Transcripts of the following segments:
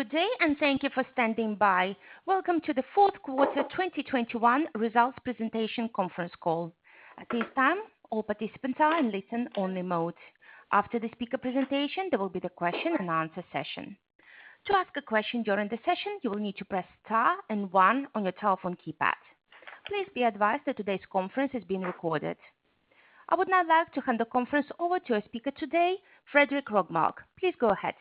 Good day, and thank you for standing by. Welcome to the fourth quarter 2021 results presentation conference call. At this time, all participants are in listen-only mode. After the speaker presentation, there will be the question and answer session. To ask a question during the session, you will need to press star and one on your telephone keypad. Please be advised that today's conference is being recorded. I would now like to hand the conference over to our speaker today, Fredrik Rågmark. Please go ahead.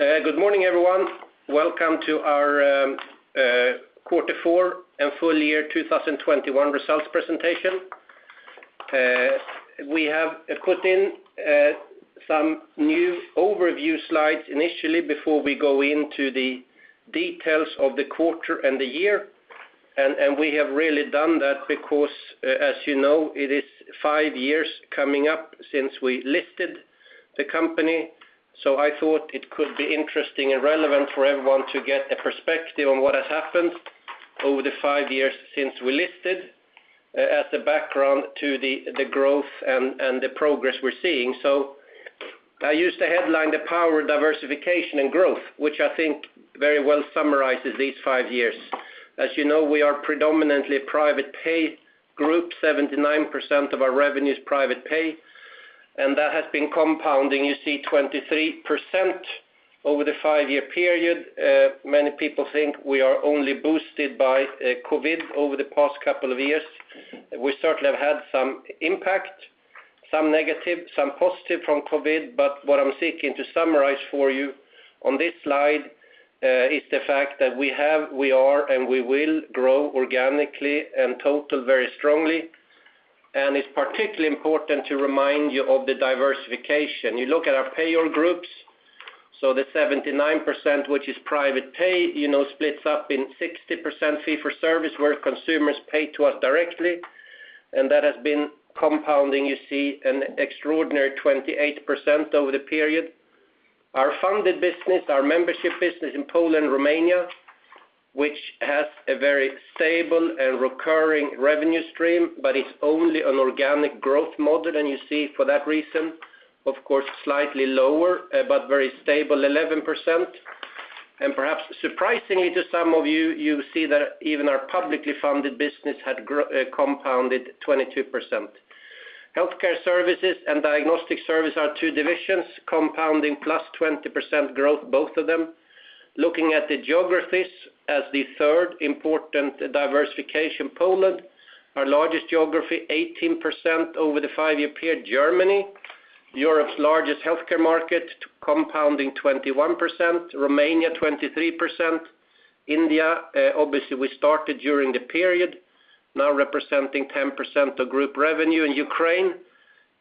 Good morning, everyone. Welcome to our quarter four and full year 2021 results presentation. We have put in some new overview slides initially before we go into the details of the quarter and the year. We have really done that because, as you know, it is five years coming up since we listed the company. I thought it could be interesting and relevant for everyone to get a perspective on what has happened over the five years since we listed, as the background to the growth and the progress we're seeing. I used the headline the power diversification and growth, which I think very well summarizes these five years. As you know, we are predominantly a private pay group. 79% of our revenue is private pay, and that has been compounding. You see 23% over the five-year period. Many people think we are only boosted by COVID over the past couple of years. We certainly have had some impact, some negative, some positive from COVID. What I'm seeking to summarize for you on this slide is the fact that we have, we are, and we will grow organically and total very strongly. It's particularly important to remind you of the diversification. You look at our payor groups. The 79%, which is private pay, you know, splits up in 60% fee for service where consumers pay to us directly. That has been compounding. You see an extraordinary 28% over the period. Our funded business, our membership business in Poland, Romania, which has a very stable and recurring revenue stream, but it's only an organic growth model. You see for that reason, of course, slightly lower, but very stable 11%. Perhaps surprisingly to some of you see that even our publicly funded business had compounded 22%. Healthcare Services and Diagnostic Services are two divisions compounding plus 20% growth, both of them. Looking at the geographies as the third important diversification, Poland, our largest geography, 18% over the five-year period. Germany, Europe's largest healthcare market, compounding 21%. Romania, 23%. India, obviously we started during the period, now representing 10% of group revenue. In Ukraine,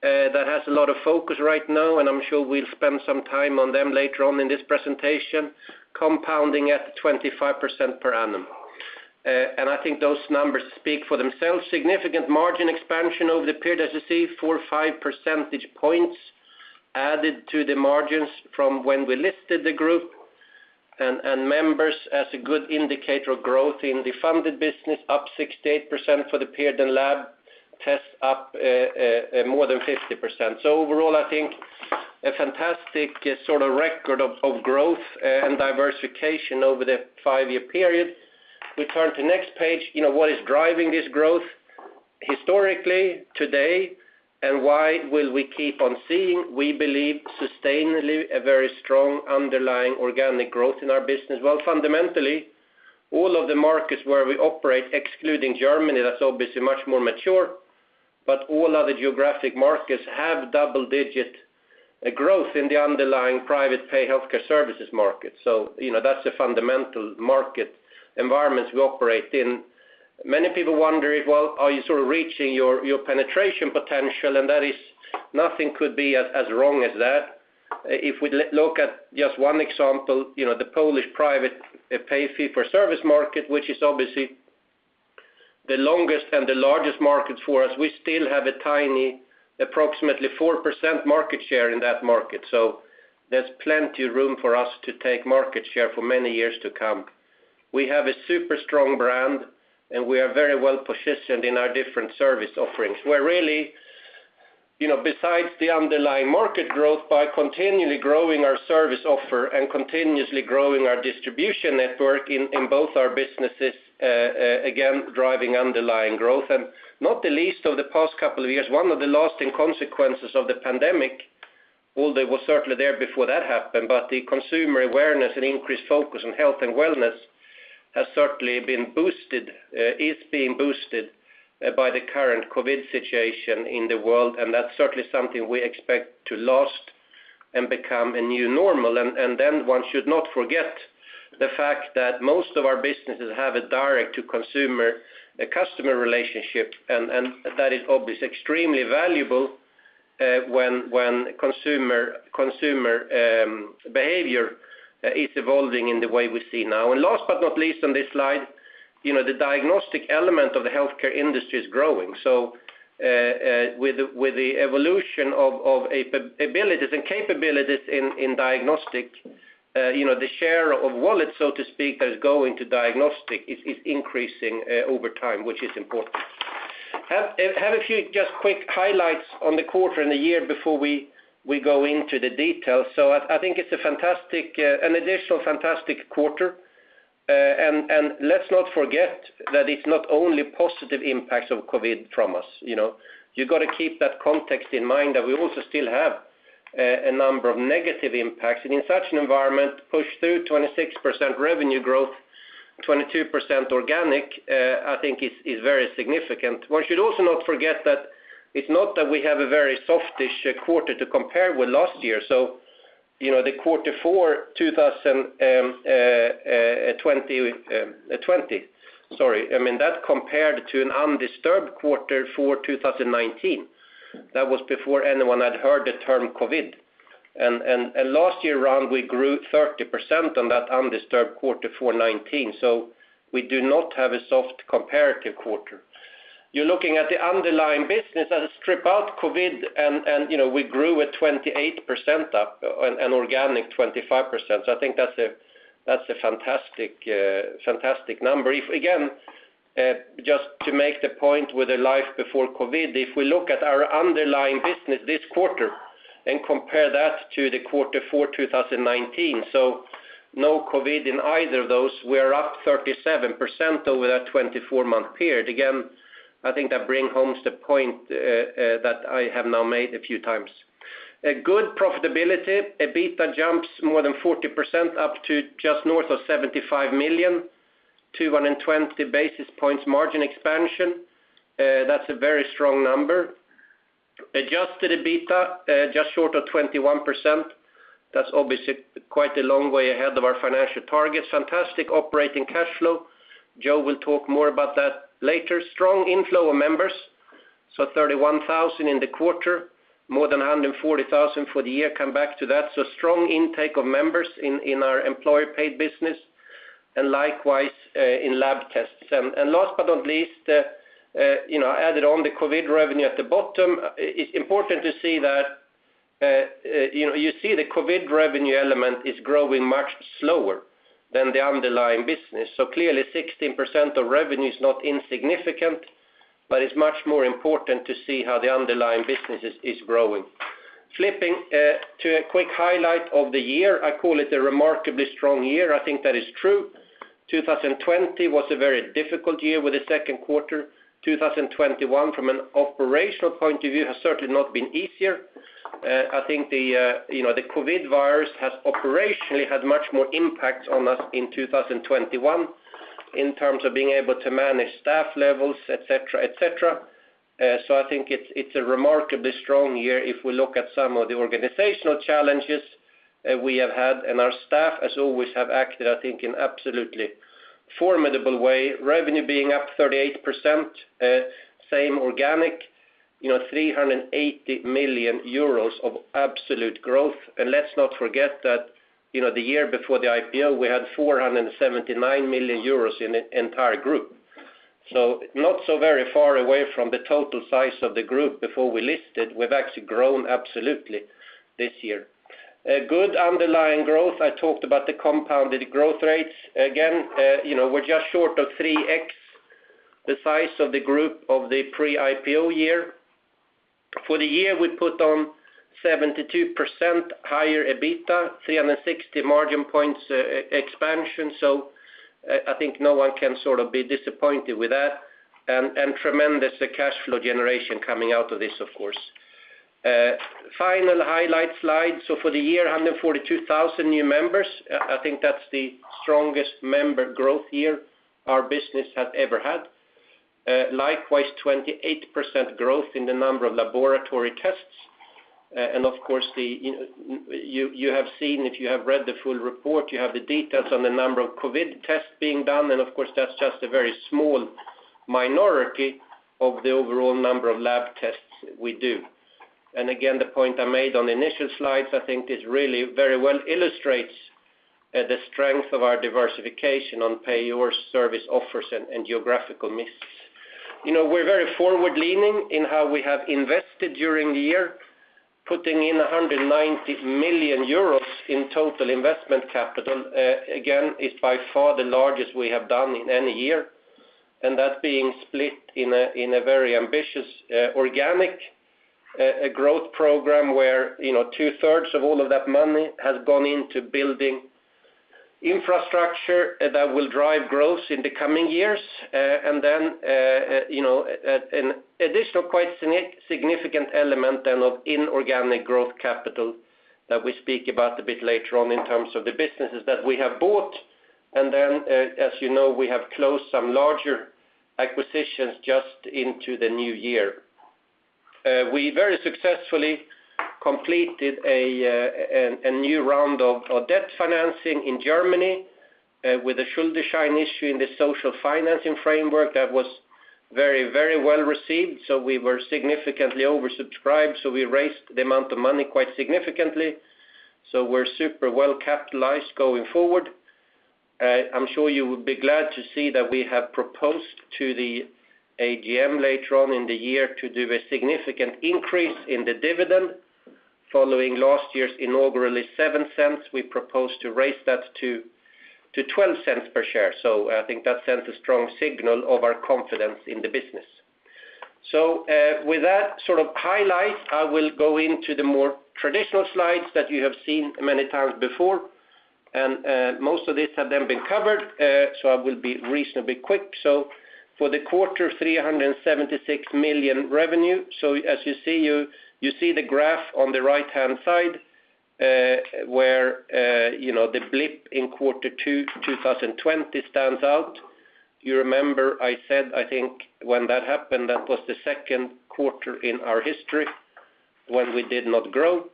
that has a lot of focus right now, and I'm sure we'll spend some time on them later on in this presentation, compounding at 25% per annum. I think those numbers speak for themselves. Significant margin expansion over the period, as you see, four or five percentage points added to the margins from when we listed the group and members as a good indicator of growth in the funded business, up 68% for the period and lab tests up more than 50%. Overall, I think a fantastic sort of record of growth and diversification over the five-year period. We turn to next page. You know, what is driving this growth historically today and why will we keep on seeing, we believe, sustainably a very strong underlying organic growth in our business? Well, fundamentally, all of the markets where we operate, excluding Germany, that's obviously much more mature, but all other geographic markets have double-digit growth in the underlying private pay healthcare services market. You know, that's the fundamental market environments we operate in. Many people wonder if, well, are you sort of reaching your penetration potential? That is, nothing could be as wrong as that. If we look at just one example, you know, the Polish private pay fee for service market, which is obviously the longest and the largest market for us, we still have a tiny approximately 4% market share in that market. There's plenty of room for us to take market share for many years to come. We have a super strong brand, and we are very well positioned in our different service offerings. We're really, you know, besides the underlying market growth by continually growing our service offer and continuously growing our distribution network in both our businesses, again, driving underlying growth. Not the least of the past couple of years, one of the lasting consequences of the pandemic, although it was certainly there before that happened, but the consumer awareness and increased focus on health and wellness is being boosted by the current COVID situation in the world. That's certainly something we expect to last and become a new normal. Then one should not forget the fact that most of our businesses have a direct to consumer customer relationship, and that is obviously extremely valuable when consumer behavior is evolving in the way we see now. Last but not least on this slide, you know, the diagnostic element of the healthcare industry is growing. With the evolution of abilities and capabilities in diagnostic, you know, the share of wallet, so to speak, that is going to diagnostic is increasing over time, which is important. Have a few just quick highlights on the quarter and the year before we go into the details. I think it's a fantastic, an additional fantastic quarter. And let's not forget that it's not only positive impacts of COVID from us, you know? You've gotta keep that context in mind that we also still have a number of negative impacts. In such an environment, push through 26% revenue growth, 22% organic, I think is very significant. One should also not forget that it's not that we have a very soft-ish quarter to compare with last year. You know, the quarter four 2020 compared to an undisturbed quarter for 2019. That was before anyone had heard the term COVID. Last year around, we grew 30% on that undisturbed quarter for 2019, so we do not have a soft comparative quarter. You're looking at the underlying business if you strip out COVID and, you know, we grew at 28% up and organic 25%. I think that's a fantastic number. If again, just to make the point with the life before COVID, if we look at our underlying business this quarter and compare that to the quarter four 2019, so no COVID in either of those, we are up 37% over that 24-month period. Again, I think that brings home the point that I have now made a few times. Good profitability, EBITDA jumps more than 40% up to just north of 75 million to 120 basis points margin expansion. That's a very strong number. Adjusted EBITDA just short of 21%. That's obviously quite a long way ahead of our financial targets. Fantastic operating cash flow. Joe will talk more about that later. Strong inflow of members, so 31,000 in the quarter, more than 140,000 for the year, come back to that. Strong intake of members in our employee paid business, and likewise, in lab tests. Last but not least, you know, added on the COVID revenue at the bottom, it's important to see that, you know, you see the COVID revenue element is growing much slower than the underlying business. Clearly 16% of revenue is not insignificant, but it's much more important to see how the underlying business is growing. Flipping to a quick highlight of the year, I call it a remarkably strong year. I think that is true. 2020 was a very difficult year with the second quarter. 2021 from an operational point of view has certainly not been easier. I think the, you know, the COVID virus has operationally had much more impact on us in 2021 in terms of being able to manage staff levels, et cetera, et cetera. So I think it's a remarkably strong year if we look at some of the organizational challenges we have had, and our staff as always have acted, I think, in absolutely formidable way. Revenue being up 38%, same organic, you know, 380 million euros of absolute growth. Let's not forget that, you know, the year before the IPO, we had 479 million euros in the entire group. So not so very far away from the total size of the group before we listed. We've actually grown absolutely this year. A good underlying growth. I talked about the compounded growth rates. Again, you know, we're just short of 3x the size of the group of the pre-IPO year. For the year, we put on 72% higher EBITDA, 360 margin points expansion. I think no one can sort of be disappointed with that, and tremendous cash flow generation coming out of this, of course. Final highlight slide. For the year, 142,000 new members. I think that's the strongest member growth year our business has ever had. Likewise, 28% growth in the number of laboratory tests. And of course, you have seen, if you have read the full report, you have the details on the number of COVID tests being done. Of course, that's just a very small minority of the overall number of lab tests we do. Again, the point I made on the initial slides, I think this really very well illustrates the strength of our diversification on payor service offers and geographical mix. You know, we're very forward leaning in how we have invested during the year, putting in 190 million euros in total investment capital, again, is by far the largest we have done in any year. That being split in a very ambitious organic growth program where, you know, two-thirds of all of that money has gone into building infrastructure that will drive growth in the coming years. You know, an additional quite significant element of inorganic growth capital that we speak about a bit later on in terms of the businesses that we have bought. As you know, we have closed some larger acquisitions just into the new year. We very successfully completed a new round of debt financing in Germany with a Schuldschein issue in the social bond framework that was very well received. We were significantly oversubscribed, so we raised the amount of money quite significantly. We're super well capitalized going forward. I'm sure you would be glad to see that we have proposed to the AGM later on in the year to do a significant increase in the dividend. Following last year's inaugural 0.07, we propose to raise that to 0.12 per share. I think that sends a strong signal of our confidence in the business. With that sort of highlight, I will go into the more traditional slides that you have seen many times before, and most of these have then been covered, so I will be reasonably quick. For the quarter, 376 million revenue. As you see, you see the graph on the right-hand side, where you know the blip in quarter two, 2020 stands out. You remember I said, I think when that happened, that was the second quarter in our history when we did not grow.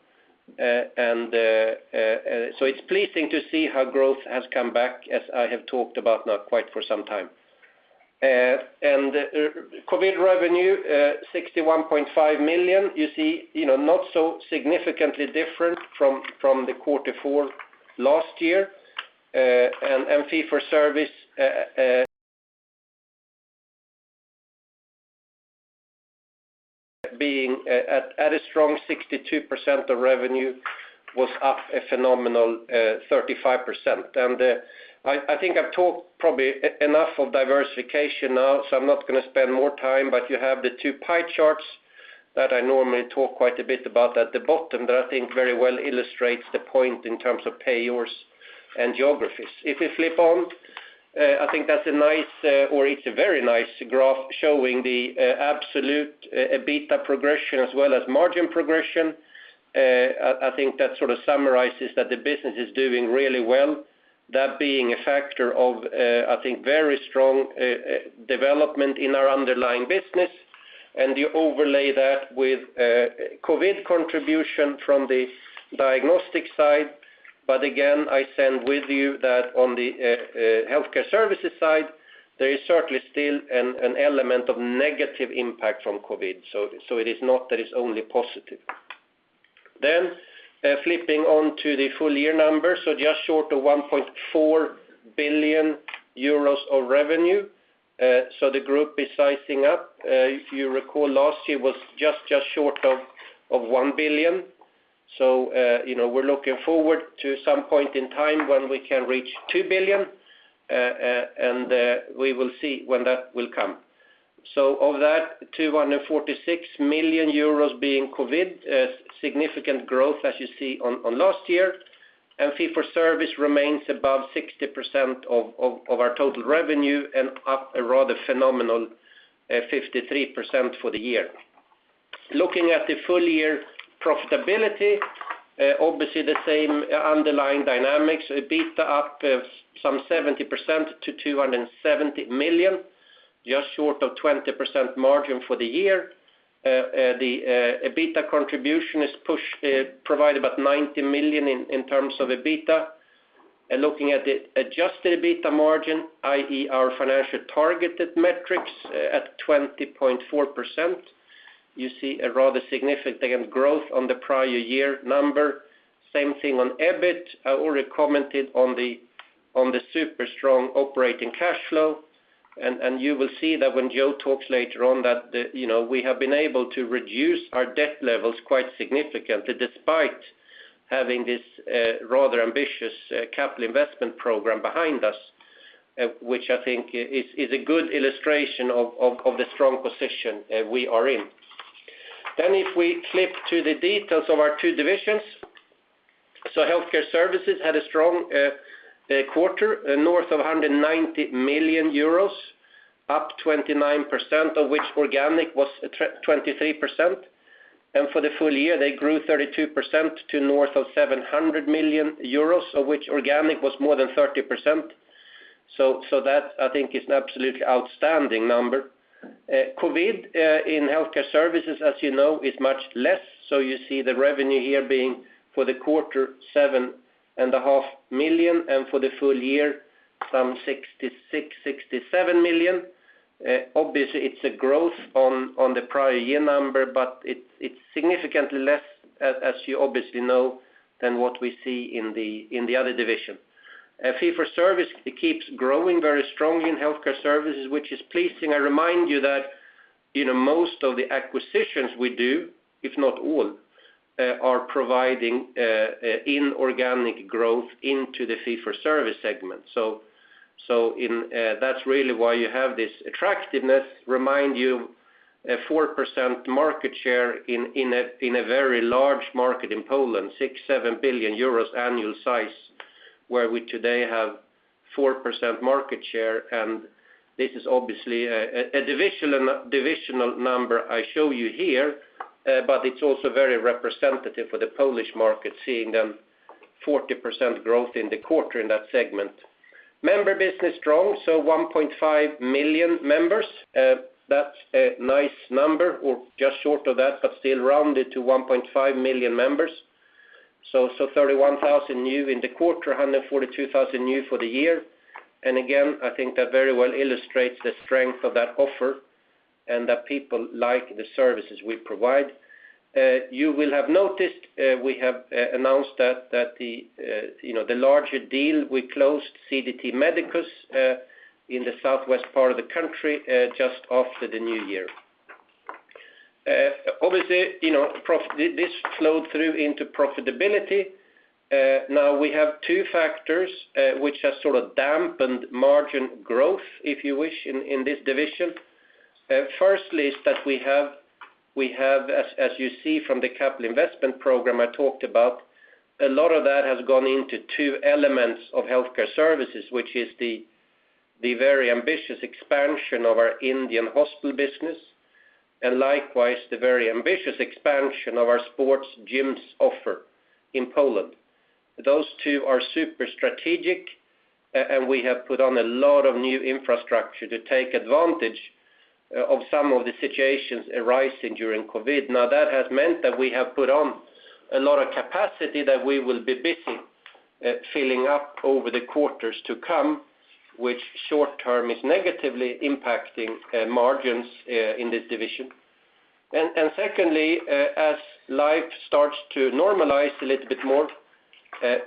It's pleasing to see how growth has come back as I have talked about now quite for some time. COVID revenue, 61.5 million, you see, you know, not so significantly different from quarter four last year. Fee for service being at a strong 62% of revenue was up a phenomenal 35%. I think I've talked probably enough of diversification now, so I'm not going to spend more time, but you have the two pie charts that I normally talk quite a bit about at the bottom that I think very well illustrates the point in terms of payers and geographies. If we flip on, I think it's a very nice graph showing the absolute EBITDA progression as well as margin progression. I think that sort of summarizes that the business is doing really well. That being a factor of, I think very strong development in our underlying business. You overlay that with COVID contribution from the diagnostic side. Again, I agree with you that on the healthcare services side, there is certainly still an element of negative impact from COVID. It is not that it's only positive. Flipping on to the full year numbers, just short of 1.4 billion euros of revenue. The group is sizing up. If you recall, last year was just short of 1 billion. You know, we're looking forward to some point in time when we can reach 2 billion, and we will see when that will come. Of that, 246 million euros being COVID, significant growth as you see on last year. Fee for service remains above 60% of our total revenue and up a rather phenomenal 53% for the year. Looking at the full year profitability, obviously the same underlying dynamics. EBITDA up some 70% to 270 million, just short of 20% margin for the year. The EBITDA contribution provided about 90 million in terms of EBITDA. Looking at the adjusted EBITDA margin, i.e. Our financial targeted metrics at 20.4%, you see a rather significant growth on the prior year number. Same thing on EBIT. I already commented on the super strong operating cash flow. You will see that when Joe talks later on that, you know, we have been able to reduce our debt levels quite significantly despite having this rather ambitious capital investment program behind us, which I think is a good illustration of the strong position we are in. If we flip to the details of our two divisions. Healthcare Services had a strong quarter, north of 190 million euros, up 29% of which organic was 23%. For the full year, they grew 32% to north of 700 million euros, of which organic was more than 30%. So that I think is an absolutely outstanding number. COVID in healthcare services, as you know, is much less. So you see the revenue here being for the quarter 7.5 million, and for the full year, some 66- 67 million. Obviously it's a growth on the prior year number, but it's significantly less, as you obviously know, than what we see in the other division. Fee for service keeps growing very strongly in healthcare services, which is pleasing. I remind you that, you know, most of the acquisitions we do, if not all, are providing inorganic growth into the fee for service segment. That's really why you have this attractiveness. Remind you, 4% market share in a very large market in Poland, 6 billion-7 billion euros annual size, where we today have 4% market share. This is obviously a divisional number I show you here, but it's also very representative for the Polish market, seeing 40% growth in the quarter in that segment. Member business strong, 1.5 million members. That's a nice number or just short of that, but still rounded to 1.5 million members. 31,000 new in the quarter, 142,000 new for the year. Again, I think that very well illustrates the strength of that offer and that people like the services we provide. You will have noticed we have announced that the larger deal we closed, CDT Medicus, in the southwest part of the country just after the new year. Obviously, you know, this flowed through into profitability. Now we have two factors which have sort of dampened margin growth, if you wish, in this division. Firstly is that we have, as you see from the capital investment program I talked about, a lot of that has gone into two elements of healthcare services, which is the very ambitious expansion of our Indian hospital business, and likewise, the very ambitious expansion of our sports gyms offer in Poland. Those two are super strategic and we have put on a lot of new infrastructure to take advantage of some of the situations arising during COVID. Now, that has meant that we have put on a lot of capacity that we will be busy filling up over the quarters to come, which short term is negatively impacting margins in this division. Secondly, as life starts to normalize a little bit more,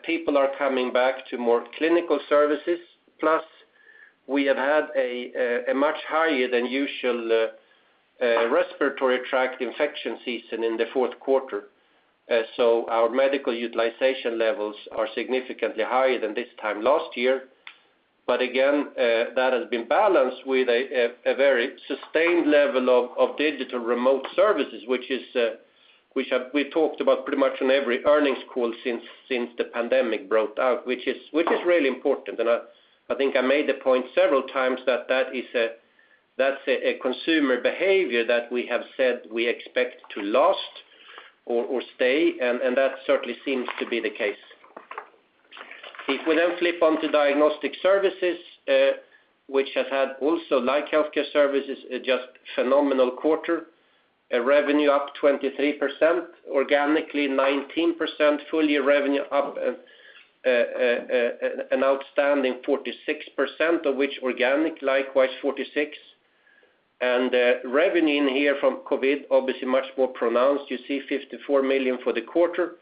people are coming back to more clinical services. Plus, we have had a much higher than usual respiratory tract infection season in the fourth quarter. Our medical utilization levels are significantly higher than this time last year. That has been balanced with a very sustained level of digital remote services, which we talked about pretty much on every earnings call since the pandemic broke out, which is really important. I think I made the point several times that that is a consumer behavior that we have said we expect to last or stay, and that certainly seems to be the case. If we now flip onto diagnostic services, which has had also, like healthcare services, a just phenomenal quarter. Revenue up 23%, organically 19%, full year revenue up an outstanding 46%, of which organic, likewise 46%. Revenue in here from COVID, obviously much more pronounced. You see 54 million for the quarter,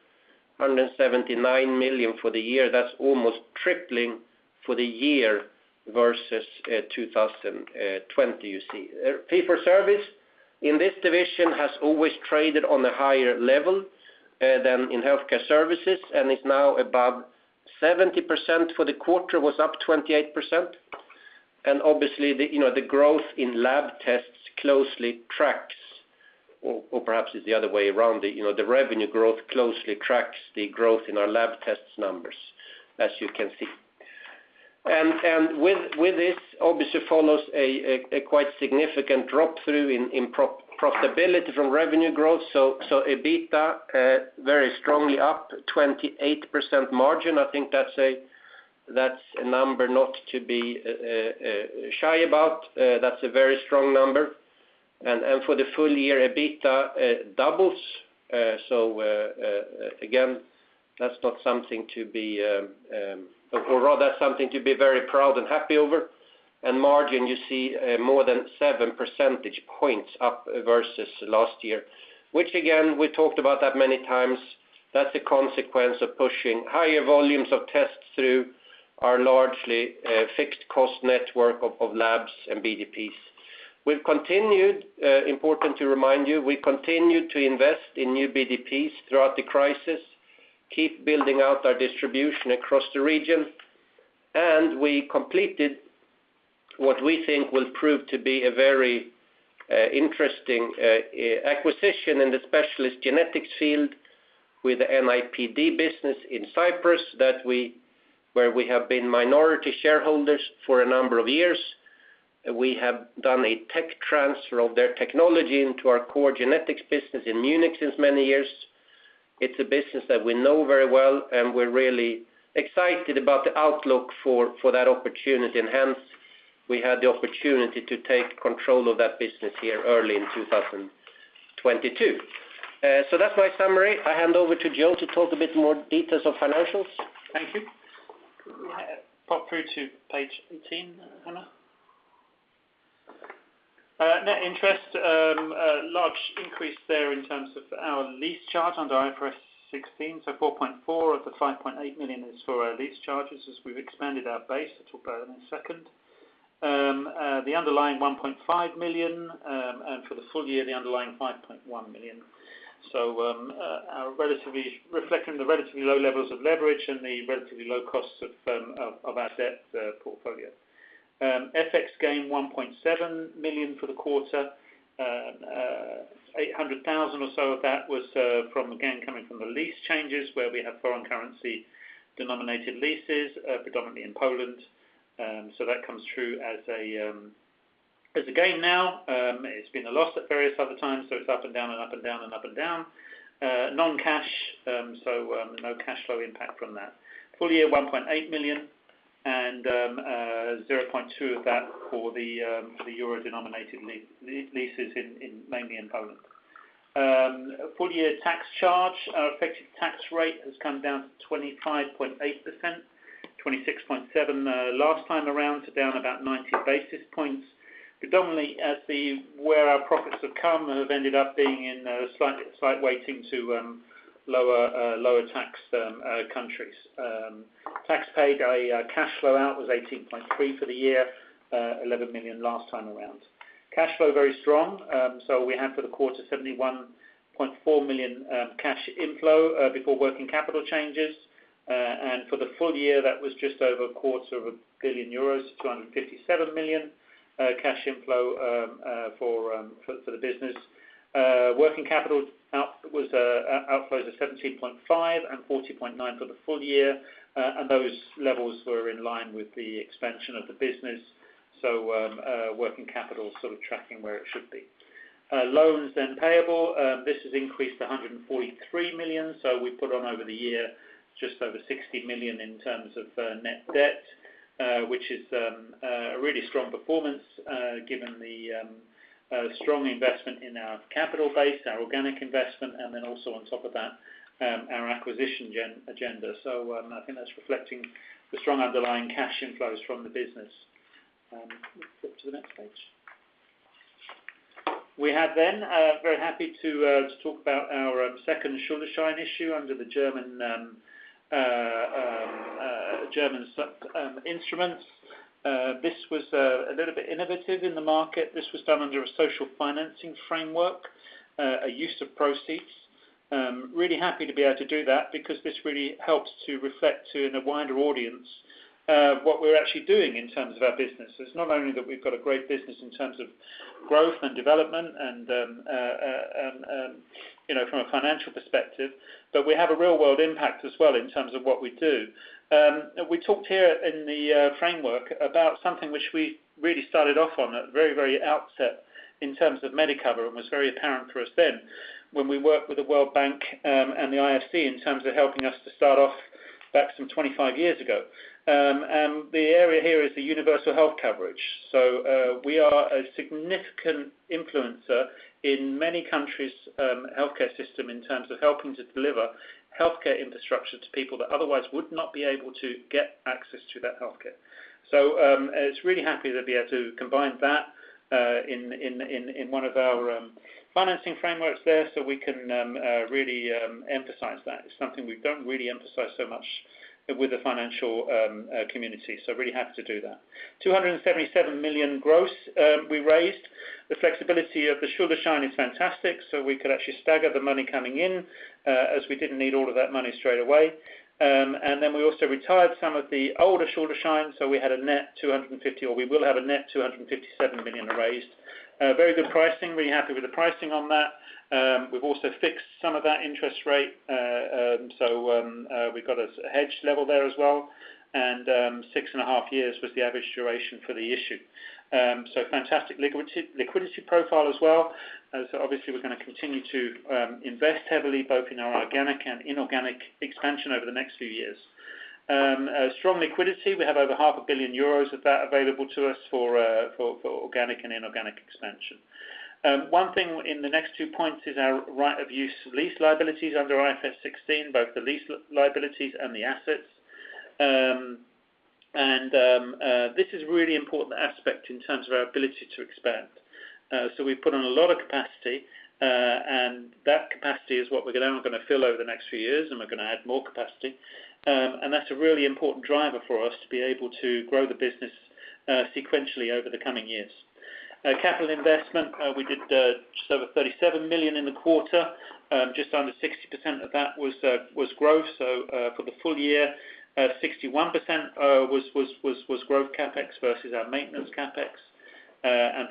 179 million for the year. That's almost tripling for the year versus 2020, you see. Fee for service in this division has always traded on a higher level than in healthcare services, and is now above 70% for the quarter, was up 28%. Obviously, you know, the growth in lab tests closely tracks, or perhaps it's the other way around. You know, the revenue growth closely tracks the growth in our lab tests numbers, as you can see. With this obviously follows a quite significant drop through in profitability from revenue growth. So EBITDA very strongly up 28% margin. I think that's a number not to be shy about. That's a very strong number. For the full year, EBITDA doubles. Again, that's not something to be. Or rather something to be very proud and happy over. Margin, you see, more than seven percentage points up versus last year, which again, we talked about that many times. That's a consequence of pushing higher volumes of tests through our largely fixed cost network of labs and BDPs. We've continued, important to remind you, we continued to invest in new BDPs throughout the crisis, keep building out our distribution across the region, and we completed what we think will prove to be a very interesting acquisition in the specialist genetics field with the NIPD business in Cyprus that we, where we have been minority shareholders for a number of years. We have done a tech transfer of their technology into our core genetics business in Munich since many years. It's a business that we know very well, and we're really excited about the outlook for that opportunity. Hence, we had the opportunity to take control of that business here early in 2022. That's my summary. I hand over to Joe to talk a bit more details of financials. Thank you. Pop through to page eighteen, Hannah. Net interest, a large increase there in terms of our lease charge under IFRS 16 .EUR 4.4 of the 5.8 million is for our lease charges as we've expanded our base. I'll talk about that in a second. The underlying 1.5 million, and for the full year, the underlying 5.1 million, reflecting the relatively low levels of leverage and the relatively low costs of our debt portfolio. FX gain 1.7 million for the quarter. Eight hundred thousand or so of that was from, again, coming from the lease changes where we have foreign currency denominated leases, predominantly in Poland. That comes through as a gain now. It's been a loss at various other times, so it's up and down and up and down and up and down. Non-cash, so no cash flow impact from that. Full year, 1.8 million and 0.2 of that for the euro denominated leases mainly in Poland. Full year tax charge, our effective tax rate has come down to 25.8%, 26.7 last time around, so down about 90 basis points. Predominantly, where our profits have ended up being in a slight weighting to lower tax countries. Tax paid, a cash flow out was 18.3 million for the year, 11 million last time around. Cash flow, very strong. We had for the quarter 71.4 million cash inflow before working capital changes. For the full year, that was just over a quarter of a billion euros, 257 million cash inflow for the business. Working capital out was outflows of 17.5 million and 40.9 million for the full year. Those levels were in line with the expansion of the business. Working capital sort of tracking where it should be. Loans then payable. This has increased to 143 million. We put on over the year just over 60 million in terms of net debt, which is a really strong performance, given the strong investment in our capital base, our organic investment, and then also on top of that, our acquisition agenda. I think that's reflecting the strong underlying cash inflows from the business. Flip to the next page. We are then very happy to talk about our second Schuldschein issue under the German Schuldschein instruments. This was a little bit innovative in the market. This was done under a social bond framework, a use of proceeds. Really happy to be able to do that because this really helps to reflect to a wider audience what we're actually doing in terms of our business. It's not only that we've got a great business in terms of growth and development and, you know, from a financial perspective, but we have a real world impact as well in terms of what we do. We talked here in the framework about something which we really started off on at the very, very outset in terms of medical, and was very apparent for us then when we worked with the World Bank and the IFC in terms of helping us to start off back some 25 years ago. The area here is the universal health coverage. We are a significant influencer in many countries' healthcare system in terms of helping to deliver healthcare infrastructure to people that otherwise would not be able to get access to that healthcare. It's really happy to be able to combine that in one of our financing frameworks there, so we can really emphasize that. It's something we don't really emphasize so much with the financial community, so really happy to do that. 277 million gross we raised. The flexibility of the Schuldschein is fantastic, so we could actually stagger the money coming in as we didn't need all of that money straight away. We also retired some of the older Schuldschein, so we had a net 250 million, or we will have a net 257 million raised. Very good pricing. Really happy with the pricing on that. We've also fixed some of that interest rate. We've got a hedge level there as well. Six and a half years was the average duration for the issue. Fantastic liquidity profile as well. As obviously we're gonna continue to invest heavily both in our organic and inorganic expansion over the next few years. Strong liquidity. We have over half a billion EUR of that available to us for organic and inorganic expansion. One thing in the next two points is our right-of-use lease liabilities under IFRS 16, both the lease liabilities and the assets. This is a really important aspect in terms of our ability to expand. We've put on a lot of capacity, and that capacity is what we're gonna fill over the next few years, and we're gonna add more capacity. That's a really important driver for us to be able to grow the business sequentially over the coming years. Capital investment, we did just over 37 million in the quarter. Just under 60% of that was growth. For the full year, 61% was growth CapEx versus our maintenance CapEx.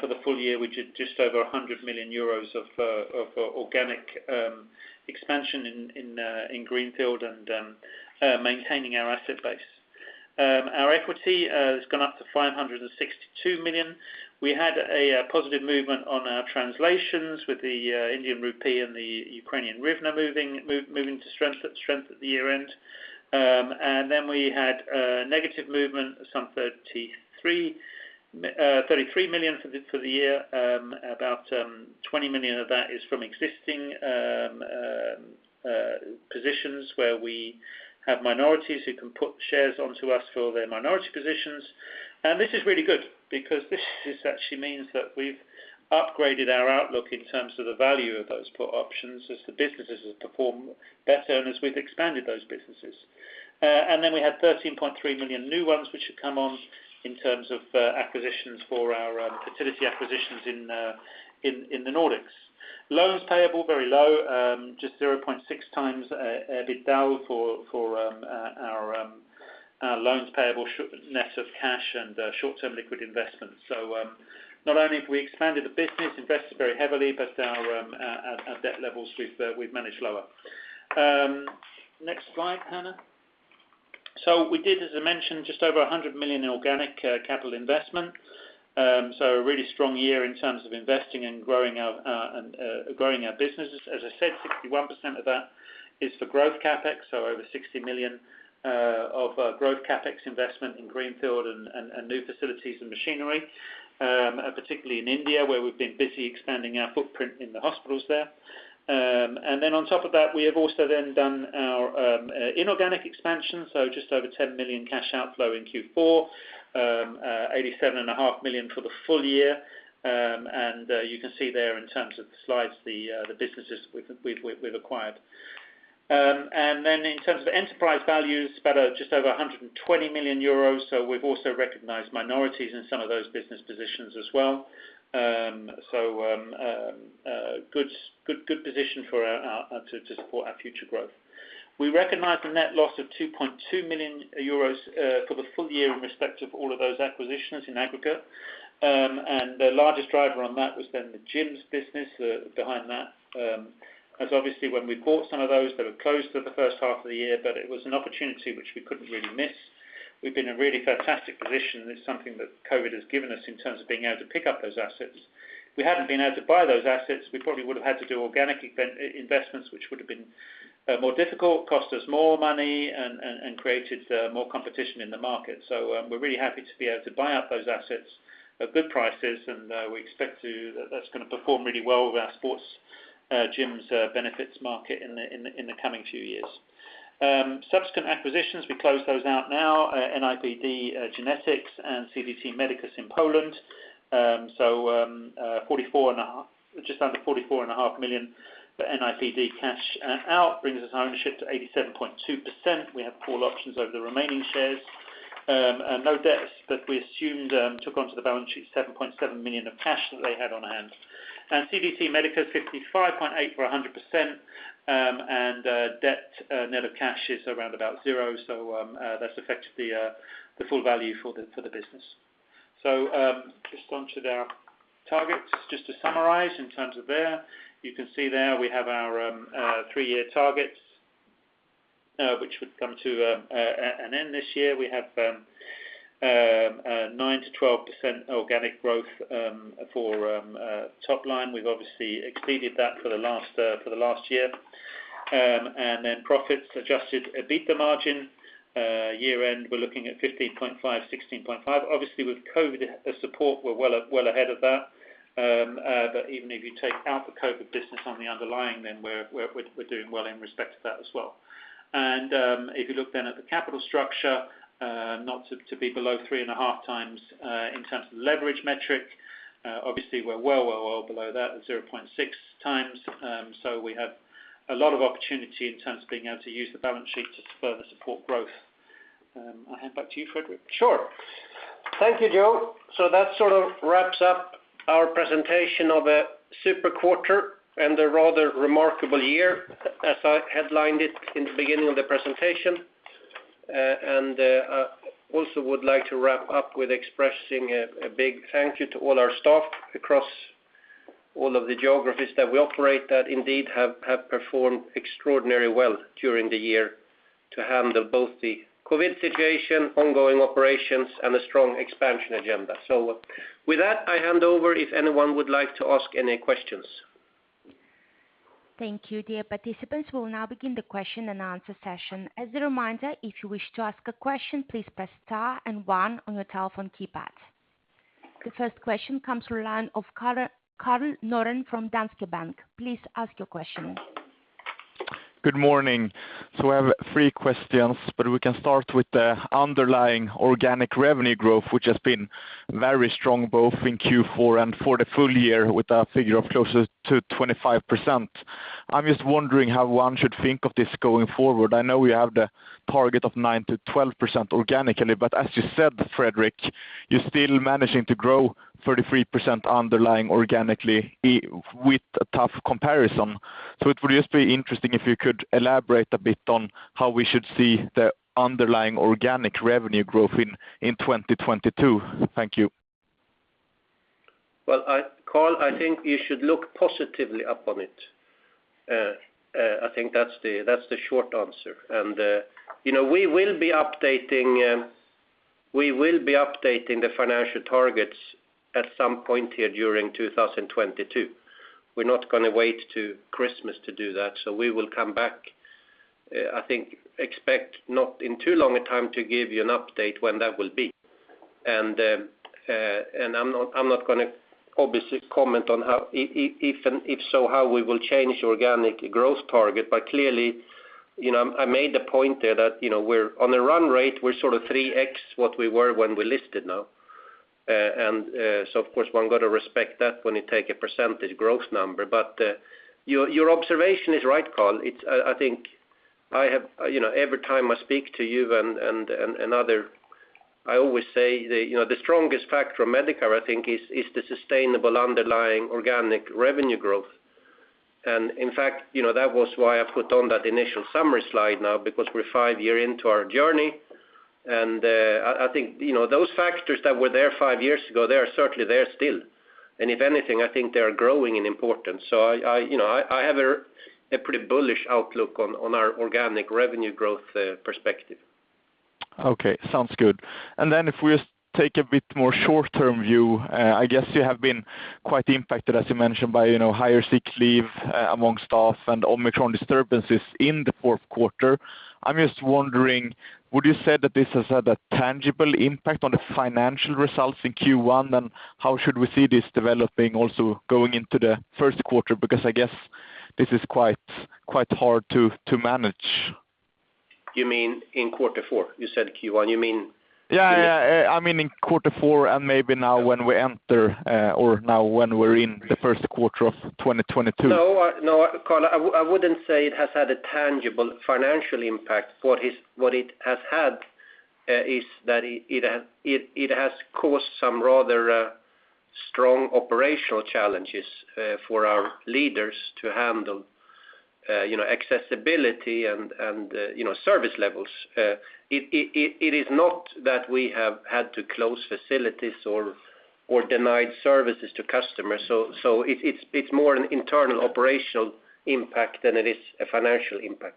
For the full year, we did just over 100 million euros of organic expansion in Greenfield and maintaining our asset base. Our equity has gone up to 562 million. We had positive movement on our translations with the Indian rupee and the Ukrainian hryvnia moving to strength at the year-end. We had a negative movement of 33 million for the year. About 20 million of that is from existing positions where we have minorities who can put shares onto us for their minority positions. This is really good because this just actually means that we've upgraded our outlook in terms of the value of those put options as the businesses have performed better and as we've expanded those businesses. We had 13.3 million new ones, which have come on in terms of acquisitions for our fertility acquisitions in the Nordics. Loans payable, very low, just 0.6x EBITDA for our loans payable, net of cash and short-term liquid investments. Not only have we expanded the business, invested very heavily, but our debt levels we've managed lower. Next slide, Hannah. We did, as I mentioned, just over 100 million in organic capital investment. A really strong year in terms of investing and growing our businesses. As I said, 61% of that is for growth CapEx, so over 60 million of growth CapEx investment in Greenfield and new facilities and machinery, particularly in India, where we've been busy expanding our footprint in the hospitals there. On top of that, we have also done our inorganic expansion, so just over 10 million cash outflow in Q4. 87.5 million for the full year. You can see there in terms of the slides, the businesses we've acquired. In terms of enterprise values, about just over 120 million euros. We've also recognized minorities in some of those business positions as well. A good position for us to support our future growth. We recognize the net loss of 2.2 million euros for the full year in respect of all of those acquisitions in aggregate. The largest driver on that was the gyms business behind that. As obviously when we bought some of those that have closed for the first half of the year, but it was an opportunity which we couldn't really miss. We've been in a really fantastic position, and it's something that COVID has given us in terms of being able to pick up those assets. If we hadn't been able to buy those assets, we probably would have had to do organic investments, which would have been more difficult, cost us more money, and created more competition in the market. We're really happy to be able to buy up those assets at good prices, and we expect that that's gonna perform really well with our sports gyms benefits market in the coming few years. Subsequent acquisitions, we close those out now, NIPD Genetics and CDT Medicus in Poland. Just under 44.5 million for NIPD cash out brings us ownership to 87.2%. We have call options over the remaining shares. No debts, but we took onto the balance sheet 7.7 million of cash that they had on hand. CDT Medicus, 55.8 million for 100%, and debt net of cash is around about zero. That's effectively the full value for the business. Just onto our targets, just to summarize in terms of there. You can see there, we have our three-year targets, which would come to an end this year. We have 9%-12% organic growth for top line. We've obviously exceeded that for the last year. Then profits adjusted EBITDA margin year-end, we're looking at 15.5%-16.5%. Obviously, with COVID support, we're well ahead of that. Even if you take out the COVID business on the underlying, we're doing well in respect to that as well. If you look then at the capital structure, not to be below 3.5 times in terms of leverage metric, obviously, we're well below that at 0.6 times. We have a lot of opportunity in terms of being able to use the balance sheet to further support growth. I'll hand back to you, Fredrik. Sure. Thank you, Joe. That sort of wraps up our presentation of a super quarter and a rather remarkable year, as I headlined it in the beginning of the presentation. I also would like to wrap up with expressing a big thank you to all our staff across all of the geographies that we operate that indeed have performed extraordinarily well during the year to handle both the COVID situation, ongoing operations, and a strong expansion agenda. With that, I hand over if anyone would like to ask any questions. The first question comes from the line of Karl Norén from Danske Bank. Please ask your question. Good morning. I have three questions, but we can start with the underlying organic revenue growth, which has been very strong, both in Q4 and for the full year with a figure of closer to 25%. I'm just wondering how one should think of this going forward. I know you have the target of 9%-12% organically, but as you said, Fredrik, you're still managing to grow 33% underlying organically with a tough comparison. It would just be interesting if you could elaborate a bit on how we should see the underlying organic revenue growth in 2022. Thank you. Well, I, Karl, I think you should look positively upon it. I think that's the short answer. You know, we will be updating the financial targets at some point here during 2022. We're not gonna wait till Christmas to do that. We will come back. I think you can expect not in too long a time to give you an update when that will be. I'm not gonna obviously comment on how if and if so, how we will change organic growth target. Clearly, you know, I made the point there that, you know, we're on a run rate. We're sort of 3x what we were when we listed now. Of course, one got to respect that when you take a percentage growth number. Your observation is right, Karl. I think, you know, every time I speak to you and another, I always say, you know, the strongest factor of Medicover, I think is the sustainable underlying organic revenue growth. In fact, you know, that was why I put on that initial summary slide now because we're five years into our journey. I think, you know, those factors that were there five years ago, they are certainly there still. If anything, I think they are growing in importance. I, you know, I have a pretty bullish outlook on our organic revenue growth perspective. Okay. Sounds good. Then if we take a bit more short-term view, I guess you have been quite impacted, as you mentioned, by, you know, higher sick leave among staff and Omicron disturbances in the fourth quarter. I'm just wondering, would you say that this has had a tangible impact on the financial results in Q1? And how should we see this developing also going into the first quarter? Because I guess this is quite hard to manage. You mean in quarter four? You said Q1, you mean? Yeah, yeah. I mean in quarter four, and maybe now when we're in the first quarter of 2022. No, no, Karl, I wouldn't say it has had a tangible financial impact. What it has had is that it has caused some rather strong operational challenges for our leaders to handle, you know, accessibility and you know, service levels. It is not that we have had to close facilities or denied services to customers. It's more an internal operational impact than it is a financial impact.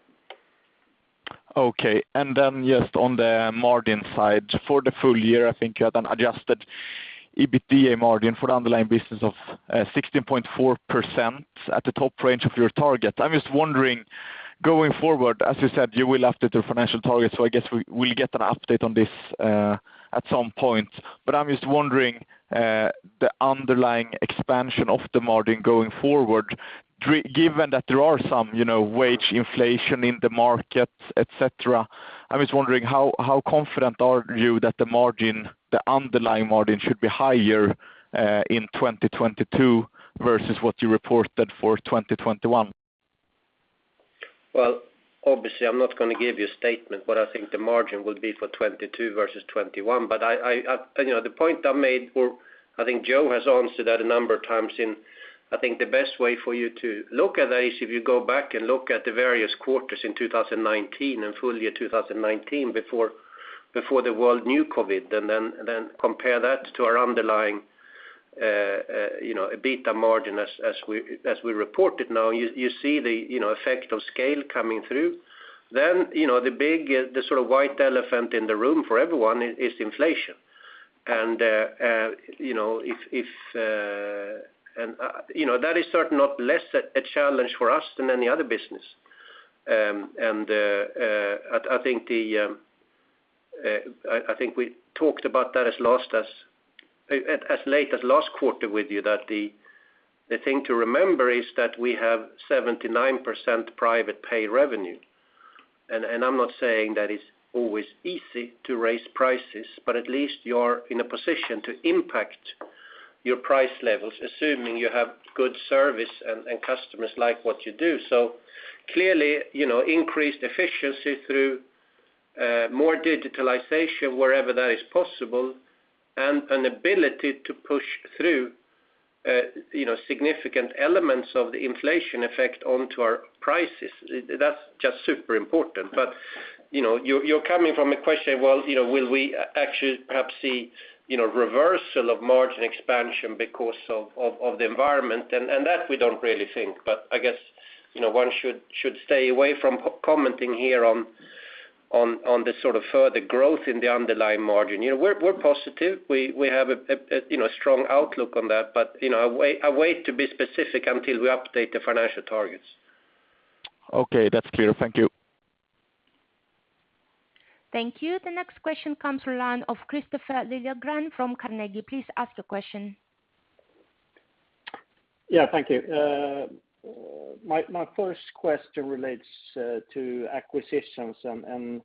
Okay. Just on the margin side, for the full year, I think you had an adjusted EBITDA margin for the underlying business of 16.4% at the top range of your target. I'm just wondering, going forward, as you said, you will update the financial target, so I guess we'll get an update on this at some point. I'm just wondering the underlying expansion of the margin going forward, given that there are some, you know, wage inflation in the market, et cetera. I'm just wondering how confident are you that the margin, the underlying margin should be higher in 2022 versus what you reported for 2021? Well, obviously, I'm not gonna give you a statement what I think the margin will be for 2022 versus 2021. I you know, the point I made, or I think Joe has answered that a number of times in I think the best way for you to look at that is if you go back and look at the various quarters in 2019 and full year 2019 before the world knew COVID, and then compare that to our underlying you know, EBITDA margin as we report it now. You see the you know, effect of scale coming through. Then you know, the big the sort of white elephant in the room for everyone is inflation. You know, if You know, that is certainly not less of a challenge for us than any other business. I think we talked about that as late as last quarter with you, that the thing to remember is that we have 79% private pay revenue. I'm not saying that it's always easy to raise prices, but at least you're in a position to impact your price levels, assuming you have good service and customers like what you do. Clearly, you know, increased efficiency through more digitalization wherever that is possible, and an ability to push through, you know, significant elements of the inflation effect onto our prices. That's just super important. You know, you're coming from a question, well, you know, will we actually perhaps see, you know, reversal of margin expansion because of the environment? That we don't really think. I guess, you know, one should stay away from commenting here on the sort of further growth in the underlying margin. You know, we're positive. We have a, you know, a strong outlook on that. You know, I wait to be specific until we update the financial targets. Okay, that's clear. Thank you. Thank you. The next question comes from line of Kristofer Liljeberg from Carnegie. Please ask your question. Yeah. Thank you. My first question relates to acquisitions and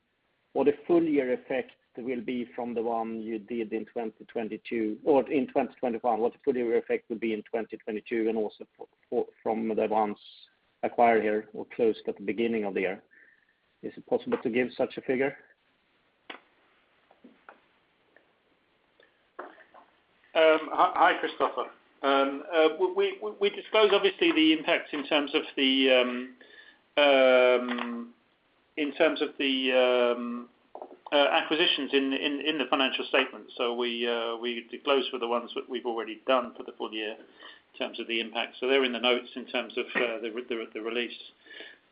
what a full year effect will be from the one you did in 2022 or in 2021, what the full year effect will be in 2022, and also from the ones acquired here or closed at the beginning of the year. Is it possible to give such a figure? Hi, Kristofer. We disclose obviously the impact in terms of the acquisitions in the financial statement. We disclose for the ones that we've already done for the full year in terms of the impact. They're in the notes in terms of the release.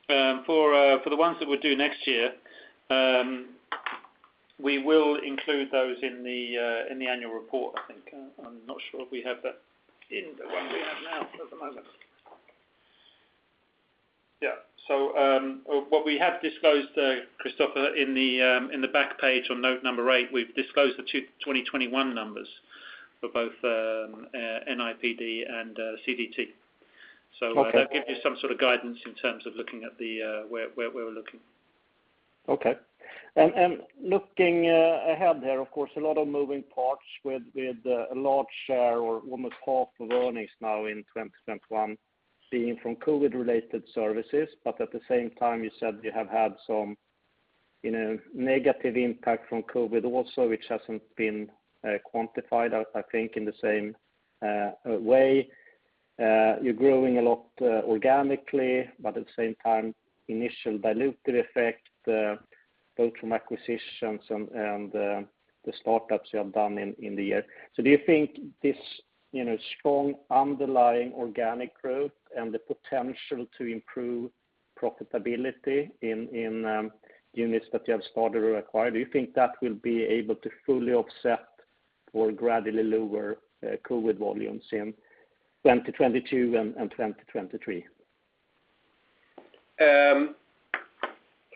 For the ones that we'll do next year, we will include those in the annual report, I think. I'm not sure if we have that in the one we have now at the moment. Yeah. What we have disclosed, Kristofer, in the back page on note number eight, we've disclosed the 2021 numbers for both NIPD and CDT. Okay. That gives you some sort of guidance in terms of looking at the where we're looking. Okay. Looking ahead there, of course, a lot of moving parts with a large share or almost half of earnings now in 2021 being from COVID-related services. At the same time, you said you have had some, you know, negative impact from COVID also, which hasn't been quantified, I think, in the same way. You're growing a lot organically, but at the same time, initial dilutive effect both from acquisitions and the startups you have done in the year. Do you think this, you know, strong underlying organic growth and the potential to improve profitability in units that you have started or acquired, do you think that will be able to fully offset or gradually lower COVID volumes in 2022 and 2023?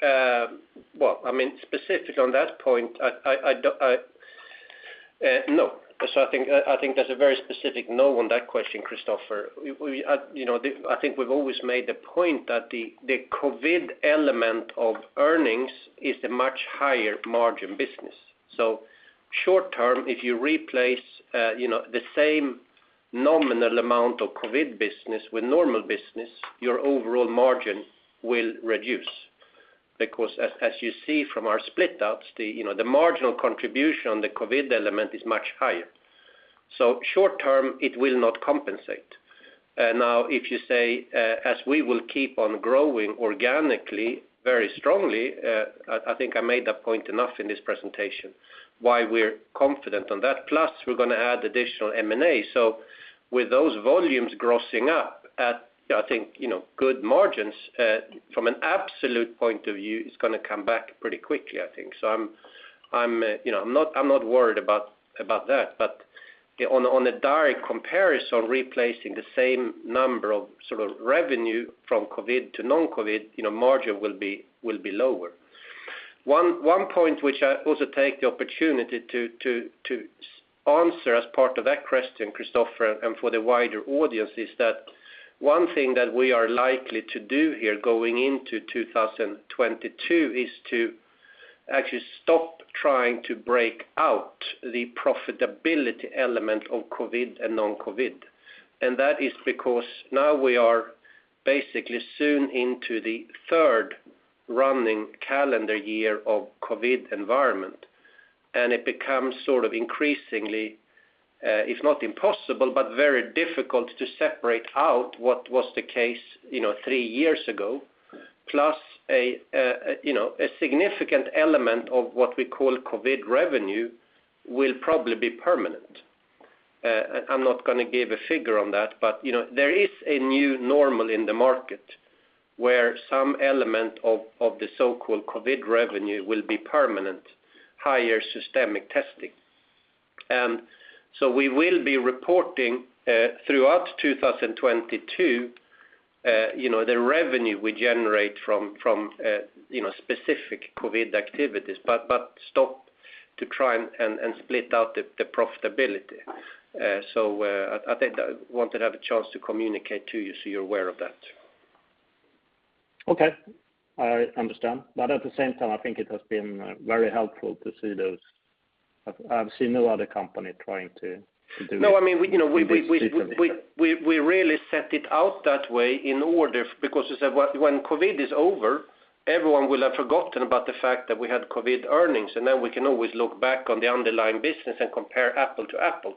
Well, I mean, specifically on that point, I No. I think that's a very specific no on that question, Kristofer. We, you know, I think we've always made the point that the COVID element of earnings is the much higher margin business. Short term, if you replace, you know, the same nominal amount of COVID business with normal business, your overall margin will reduce. Because as you see from our split outs, you know, the marginal contribution on the COVID element is much higher. Short term, it will not compensate. Now if you say, as we will keep on growing organically very strongly, I think I made that point enough in this presentation why we're confident on that. Plus, we're gonna add additional M&A. With those volumes grossing up at, I think, you know, good margins, from an absolute point of view, it's gonna come back pretty quickly, I think. I'm not worried about that. On a direct comparison replacing the same number of sort of revenue from COVID to non-COVID, you know, margin will be lower. One point which I also take the opportunity to answer as part of that question, Kristofer, and for the wider audience, is that one thing that we are likely to do here going into 2022 is to actually stop trying to break out the profitability element of COVID and non-COVID. That is because now we are basically soon into the third running calendar year of COVID environment, and it becomes sort of increasingly, if not impossible, but very difficult to separate out what was the case, you know, three years ago, plus a significant element of what we call COVID revenue will probably be permanent. I'm not gonna give a figure on that, but, you know, there is a new normal in the market where some element of the so-called COVID revenue will be permanent, higher systemic testing. We will be reporting throughout 2022, you know, the revenue we generate from specific COVID activities, but stop to try and split out the profitability. I think I wanted to have a chance to communicate to you so you're aware of that. Okay. I understand. At the same time, I think it has been very helpful to see those. I've seen no other company trying to do it- No, I mean, you know, we really set it out that way in order. Because when COVID is over, everyone will have forgotten about the fact that we had COVID earnings, and then we can always look back on the underlying business and compare apples to apples.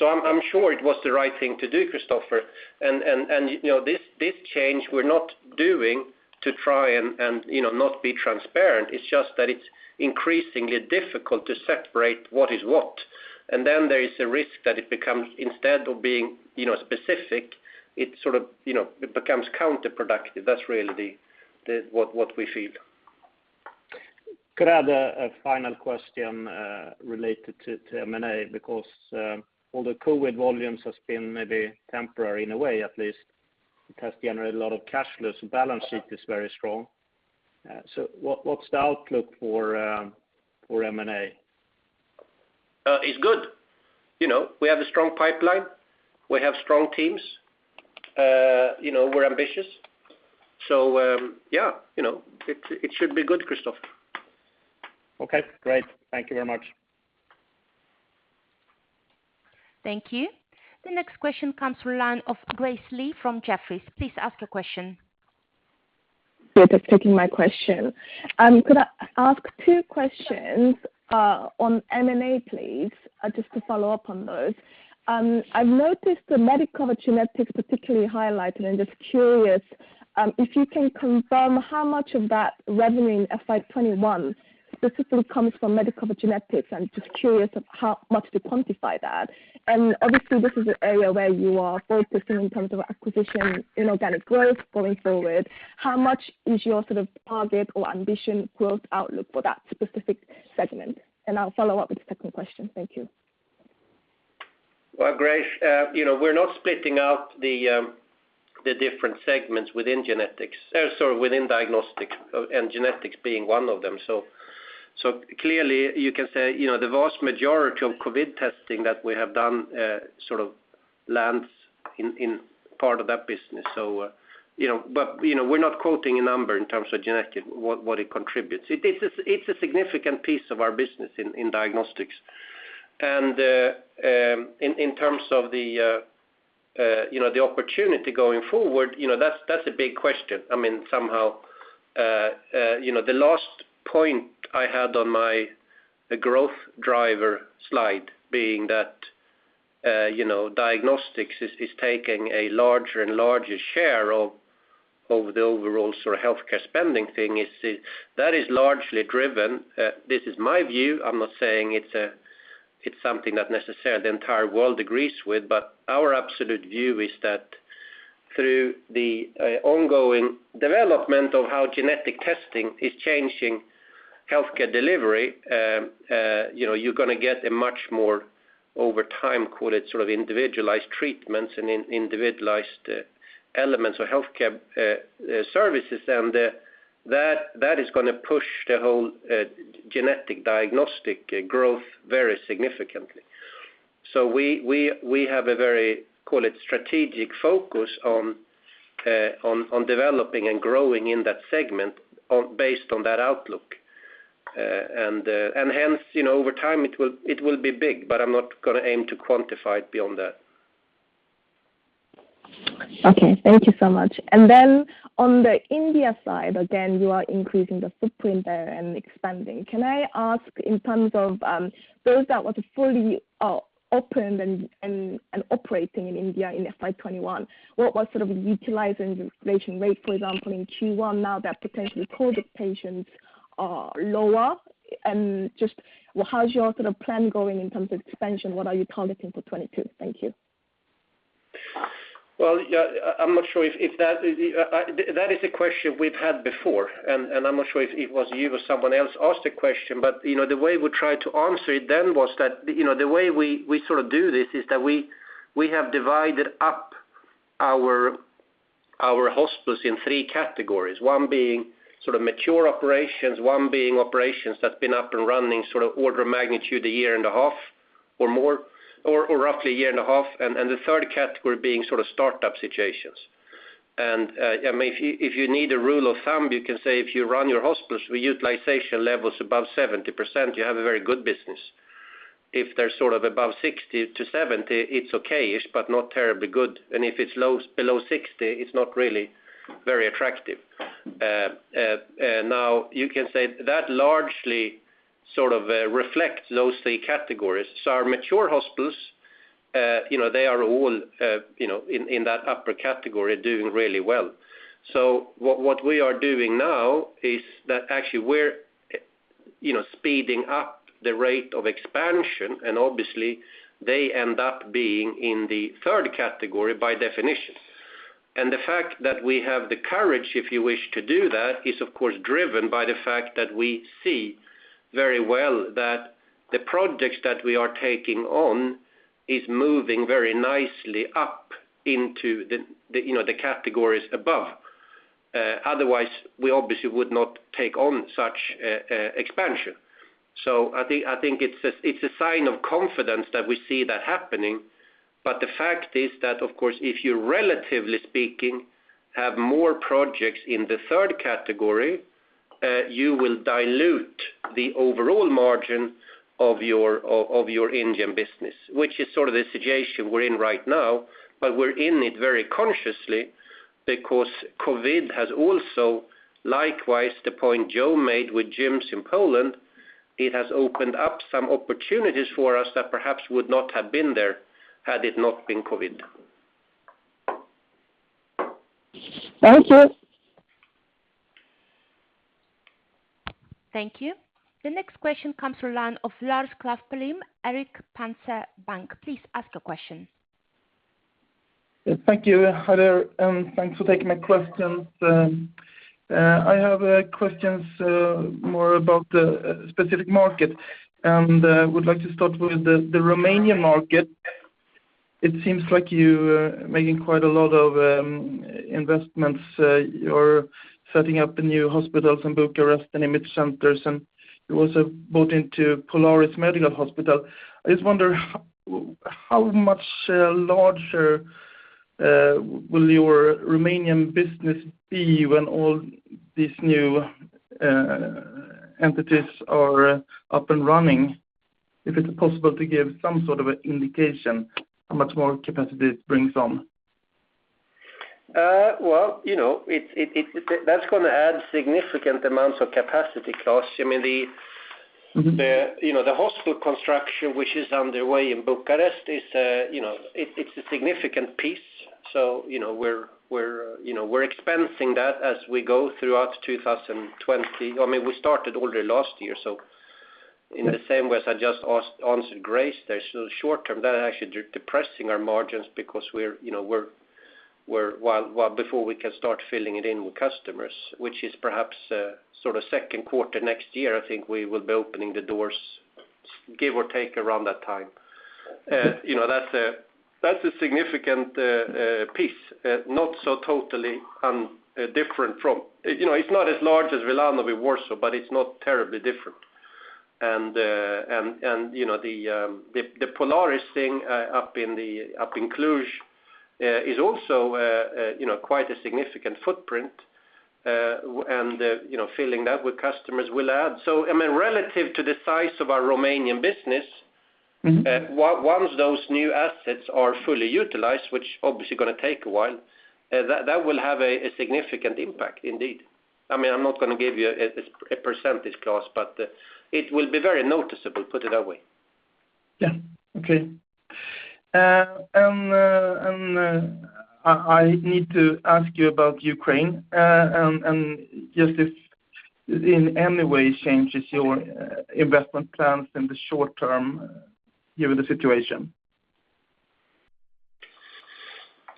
I'm sure it was the right thing to do, Kristofer. You know, this change we're not doing to try and, you know, not be transparent. It's just that it's increasingly difficult to separate what is what. There is a risk that it becomes, instead of being, you know, specific, it sort of, you know, it becomes counterproductive. That's really what we feel. Could I have a final question related to M&A? Because all the COVID volumes has been maybe temporary in a way, at least it has generated a lot of cash flow, so balance sheet is very strong. So what's the outlook for M&A? It's good. You know, we have a strong pipeline. We have strong teams. You know, we're ambitious. Yeah, you know, it should be good, Kristofer Liljeberg. Okay, great. Thank you very much. Thank you. The next question comes from the line of Grace Lee from Jefferies. Please ask your question. Great. Thanks for taking my question. I'm gonna ask two questions on M&A, please, just to follow up on those. I've noticed the Medicover Genetics particularly highlighted, and just curious if you can confirm how much of that revenue in FY 2021 specifically comes from Medicover Genetics. I'm just curious of how much to quantify that. Obviously, this is an area where you are focusing in terms of acquisition, inorganic growth going forward. How much is your sort of target or ambition growth outlook for that specific segment? I'll follow up with the second question. Thank you. Well, Grace, you know, we're not splitting out the different segments within diagnostics, and genetics being one of them. Clearly, you can say, you know, the vast majority of COVID testing that we have done sort of lands in part of that business. You know, but we're not quoting a number in terms of genetic, what it contributes. It is a significant piece of our business in diagnostics. In terms of the opportunity going forward, you know, that's a big question. I mean, somehow, you know, the last point I had on my, the growth driver slide being that, you know, diagnostics is taking a larger and larger share of the overall sort of healthcare spending thing is that is largely driven. This is my view. I'm not saying it's something that necessarily the entire world agrees with, but our absolute view is that through the ongoing development of how genetic testing is changing healthcare delivery, you know, you're gonna get a much more over time, call it sort of individualized treatments and individualized elements or healthcare services. That is gonna push the whole genetic diagnostic growth very significantly. We have a very, call it strategic focus on developing and growing in that segment based on that outlook. Hence, you know, over time it will be big, but I'm not gonna aim to quantify it beyond that. Okay, thank you so much. Then on the India side, again, you are increasing the footprint there and expanding. Can I ask in terms of those that were to fully open and operating in India in FY 2021, what was sort of utilizing the inflation rate, for example, in Q1 now that potentially COVID patients are lower? Just, how's your sort of plan going in terms of expansion? What are you targeting for 2022? Thank you. Well, yeah, I'm not sure if that is. That is a question we've had before, and I'm not sure if it was you or someone else asked the question. You know, the way we tried to answer it then was that, you know, the way we sort of do this is that we have divided up our hospitals in three categories. One being sort of mature operations, one being operations that's been up and running sort of order of magnitude a year and a half or more, or roughly a year and a half, and the third category being sort of startup situations. I mean, if you need a rule of thumb, you can say if you run your hospice with utilization levels above 70%, you have a very good business. If they're sort of above 60%-70%, it's okay-ish, but not terribly good. If it's lows below 60%, it's not really very attractive. Now you can say that largely sort of reflects those three categories. Our mature hospice, you know, they are all, you know, in that upper category doing really well. What we are doing now is that actually we're, you know, speeding up the rate of expansion, and obviously they end up being in the third category by definition. The fact that we have the courage, if you wish to do that, is of course driven by the fact that we see very well that the projects that we are taking on is moving very nicely up into the, you know, the categories above. Otherwise we obviously would not take on such expansion. I think it's a sign of confidence that we see that happening. The fact is that of course, if you relatively speaking have more projects in the third category, you will dilute the overall margin of your Indian business, which is sort of the situation we're in right now. We're in it very consciously because COVID has also, likewise, the point Joe made with gyms in Poland, it has opened up some opportunities for us that perhaps would not have been there had it not been COVID. Thank you. Thank you. The next question comes from the line of Lars Krafft, Erik Penser Bank. Please ask your question. Yes, thank you. Hi there, and thanks for taking my questions. I have questions more about the specific market, and would like to start with the Romanian market. It seems like you making quite a lot of investments. You're setting up the new hospitals in Bucharest and imaging centers, and you also bought into Polaris Medical Hospital. I just wonder how much larger will your Romanian business be when all these new entities are up and running? If it's possible to give some sort of an indication how much more capacity it brings on. Well, you know, that's gonna add significant amounts of capacity cost. I mean, the Mm-hmm. You know, the hospital construction which is underway in Bucharest is a significant piece. We're expensing that as we go throughout 2020. I mean, we started already last year, so in the same way as I just answered Grace Lee there. Short term, that actually depressing our margins because you know, before we can start filling it in with customers, which is perhaps sort of second quarter next year, I think we will be opening the doors, give or take around that time. You know, that's a significant piece, not so totally different from. You know, it's not as large as Wilanów or Warsaw, but it's not terribly different. You know, the Polaris thing up in Cluj is also you know, quite a significant footprint. you know, filling that with customers will add. I mean, relative to the size of our Romanian business- Mm-hmm. Once those new assets are fully utilized, which obviously gonna take a while, that will have a significant impact indeed. I mean, I'm not gonna give you a percentage cost, but it will be very noticeable, put it that way. Yeah. Okay. I need to ask you about Ukraine, and just if in any way changes your investment plans in the short term given the situation?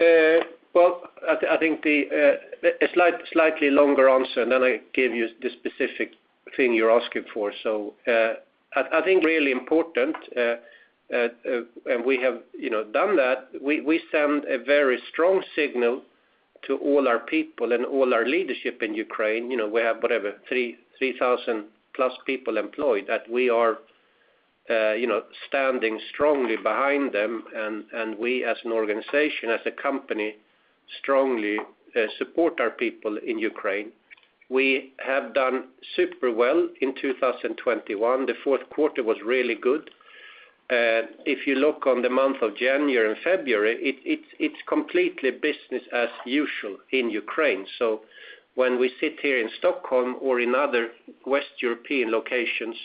I think a slightly longer answer, and then I give you the specific thing you're asking for. I think really important, and we have, you know, done that. We send a very strong signal to all our people and all our leadership in Ukraine. You know, we have whatever, 3,000 plus people employed that we are, you know, standing strongly behind them. We as an organization, as a company, strongly support our people in Ukraine. We have done super well in 2021. The fourth quarter was really good. If you look on the month of January and February, it's completely business as usual in Ukraine. When we sit here in Stockholm or in other West European locations,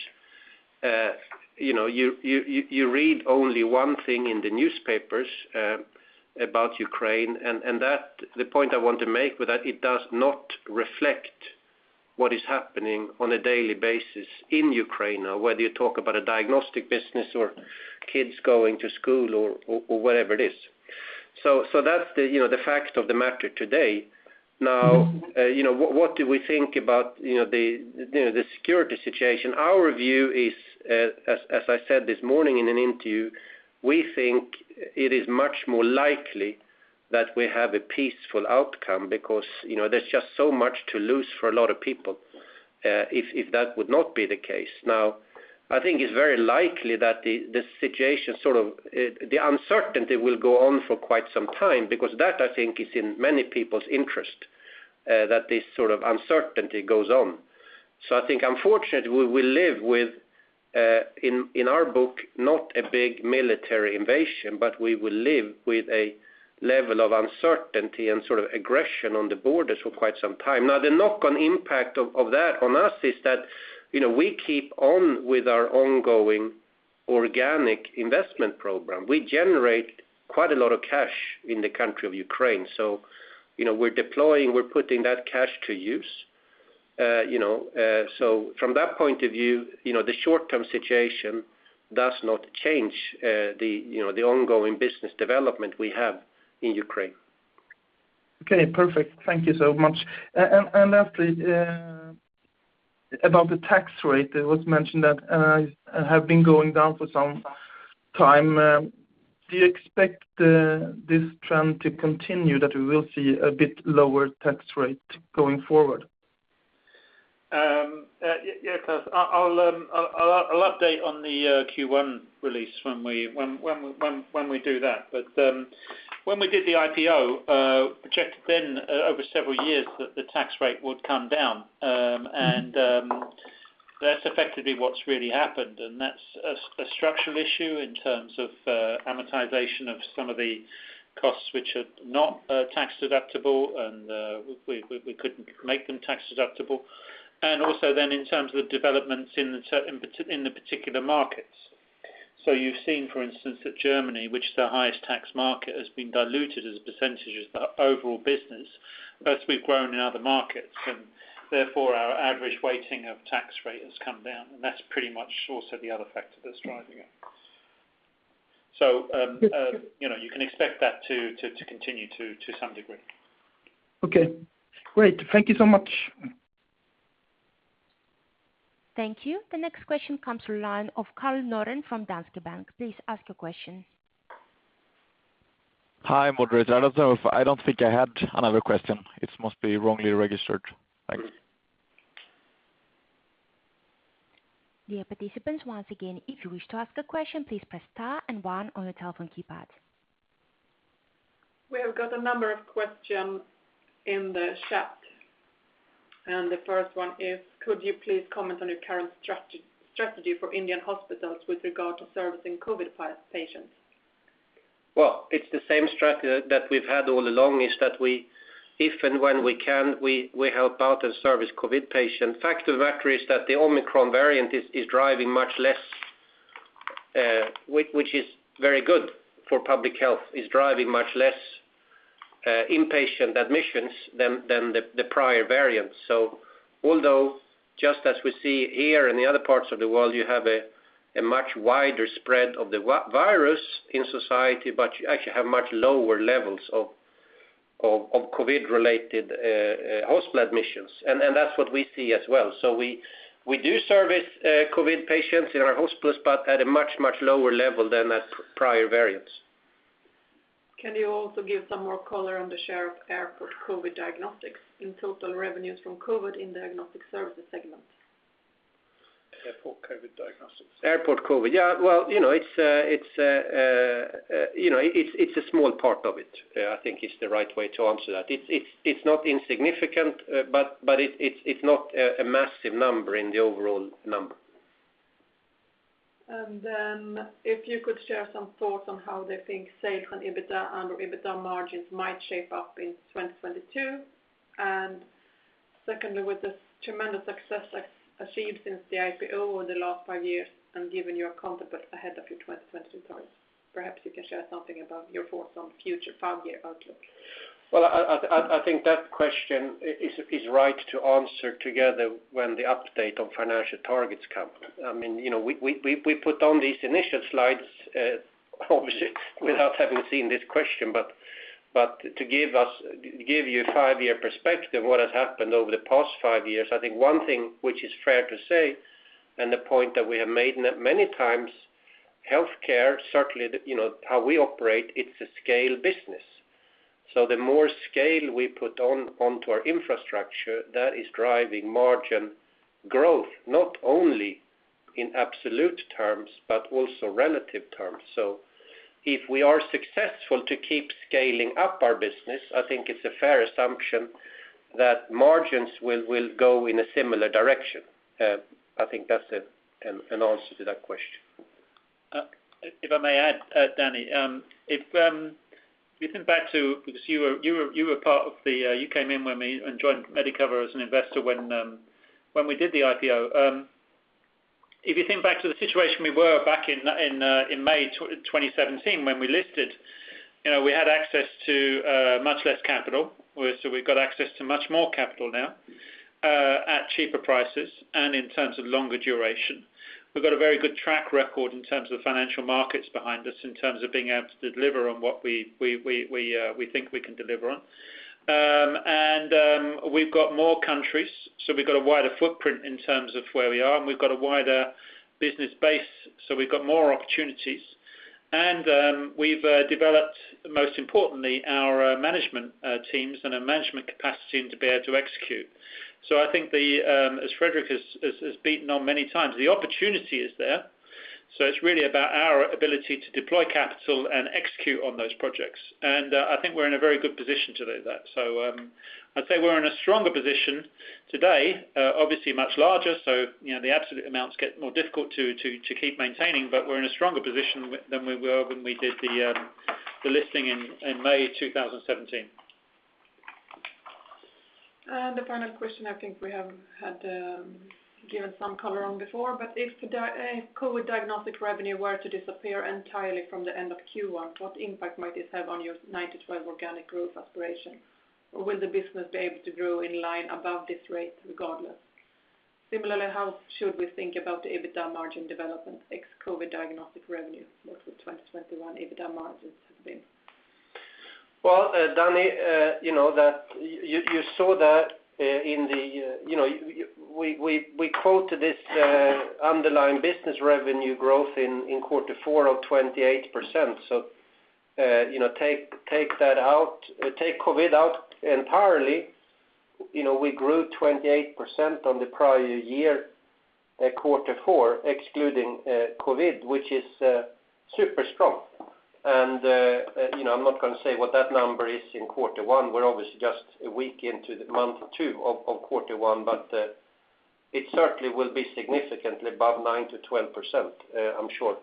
you know, you read only one thing in the newspapers about Ukraine. That's the point I want to make with that, it does not reflect what is happening on a daily basis in Ukraine, whether you talk about a diagnostic business or kids going to school or whatever it is. That's the fact of the matter today. Now, you know, what do we think about, you know, the security situation? Our view is, as I said this morning in an interview, we think it is much more likely that we have a peaceful outcome because, you know, there's just so much to lose for a lot of people, if that would not be the case. Now, I think it's very likely that the situation, sort of, the uncertainty will go on for quite some time because that I think is in many people's interest, that this sort of uncertainty goes on. I think unfortunately, we will live with, in our book, not a big military invasion, but we will live with a level of uncertainty and sort of aggression on the borders for quite some time. Now, the knock-on impact of that on us is that, you know, we keep on with our ongoing organic investment program. We generate quite a lot of cash in the country of Ukraine, so, you know, we're deploying, we're putting that cash to use. You know, so from that point of view, you know, the short-term situation does not change, you know, the ongoing business development we have in Ukraine. Okay, perfect. Thank you so much. Lastly, about the tax rate. It was mentioned that have been going down for some time. Do you expect this trend to continue, that we will see a bit lower tax rate going forward? Yes, I'll update on the Q1 release when we do that. When we did the IPO, projected then over several years that the tax rate would come down. That's effectively what's really happened, and that's a structural issue in terms of amortization of some of the costs which are not tax-deductible, and we couldn't make them tax-deductible. Also then in terms of developments in the particular markets. You've seen, for instance, that Germany, which is the highest tax market, has been diluted as a percentage of the overall business as we've grown in other markets. Therefore, our average weighting of tax rate has come down, and that's pretty much also the other factor that's driving it. You know, you can expect that to continue to some degree. Okay, great. Thank you so much. Thank you. The next question comes from the line of Karl Norén from Danske Bank. Please ask a question. Hi, Moderator. I don't think I had another question. It must be wrongly registered. Thanks. Dear participants, once again, if you wish to ask a question, please press star and one on your telephone keypad. We have got a number of questions in the chat, and the first one is, could you please comment on your current strategy for Indian hospitals with regard to servicing COVID patients? Well, it's the same strategy that we've had all along, is that we if and when we can, we help out and service COVID patients. Fact of the matter is that the Omicron variant is driving much less, which is very good for public health. It is driving much less inpatient admissions than the prior variants. Although just as we see here in the other parts of the world, you have a much wider spread of the virus in society, but you actually have much lower levels of COVID-related hospital admissions. That's what we see as well. We do service COVID patients in our hospitals, but at a much lower level than at prior variants. Can you also give some more color on the share of airport COVID diagnostics in total revenues from COVID in diagnostic services segment? Airport COVID diagnostics. Airport COVID. Yeah. Well, you know, it's not insignificant, but it's not a massive number in the overall number. If you could share some thoughts on how they think sales and EBITDA and EBITDA margins might shape up in 2022? Secondly, with the tremendous success achieved since the IPO in the last five years, and given your comfort ahead of your 2022 targets, perhaps you can share something about your thoughts on future five-year outlook? I think that question is right to answer together when the update on financial targets come. I mean, you know, we put on these initial slides, obviously without having seen this question. To give you a five-year perspective what has happened over the past five years, I think one thing which is fair to say, and the point that we have made many times, healthcare certainly, you know, how we operate, it's a scale business. The more scale we put on, onto our infrastructure, that is driving margin growth, not only in absolute terms, but also relative terms. If we are successful to keep scaling up our business, I think it's a fair assumption that margins will go in a similar direction. I think that's an answer to that question. If I may add, Dani, if you think back, because you were part of it, you came in and joined Medicover as an investor when we did the IPO. If you think back to the situation we were in back in May 2017 when we listed, you know, we had access to much less capital. We've got access to much more capital now, at cheaper prices and in terms of longer duration. We've got a very good track record in terms of financial markets behind us, in terms of being able to deliver on what we think we can deliver on. We've got more countries, so we've got a wider footprint in terms of where we are, and we've got a wider business base, so we've got more opportunities. We've developed, most importantly, our management teams and our management capacity to be able to execute. I think, as Fredrik has beaten on many times, the opportunity is there, so it's really about our ability to deploy capital and execute on those projects. I think we're in a very good position to do that. I'd say we're in a stronger position today, obviously much larger, so, you know, the absolute amounts get more difficult to keep maintaining, but we're in a stronger position than we were when we did the listing in May 2017. The final question I think we have had, given some color on before. If COVID diagnostic revenue were to disappear entirely from the end of Q1, what impact might this have on your 9%-12% organic growth aspiration? Will the business be able to grow in line above this rate regardless? Similarly, how should we think about the EBITDA margin development ex COVID diagnostic revenue versus 2021 EBITDA margins have been? Well, Dani, you know that you saw that you know we quoted this underlying business revenue growth in quarter four of 28%. So, you know, take that out, take COVID out entirely, you know, we grew 28% on the prior year quarter four, excluding COVID, which is super strong. You know, I'm not gonna say what that number is in quarter one. We're obviously just a week into the month two of quarter one, but it certainly will be significantly above 9%-12%, I'm sure.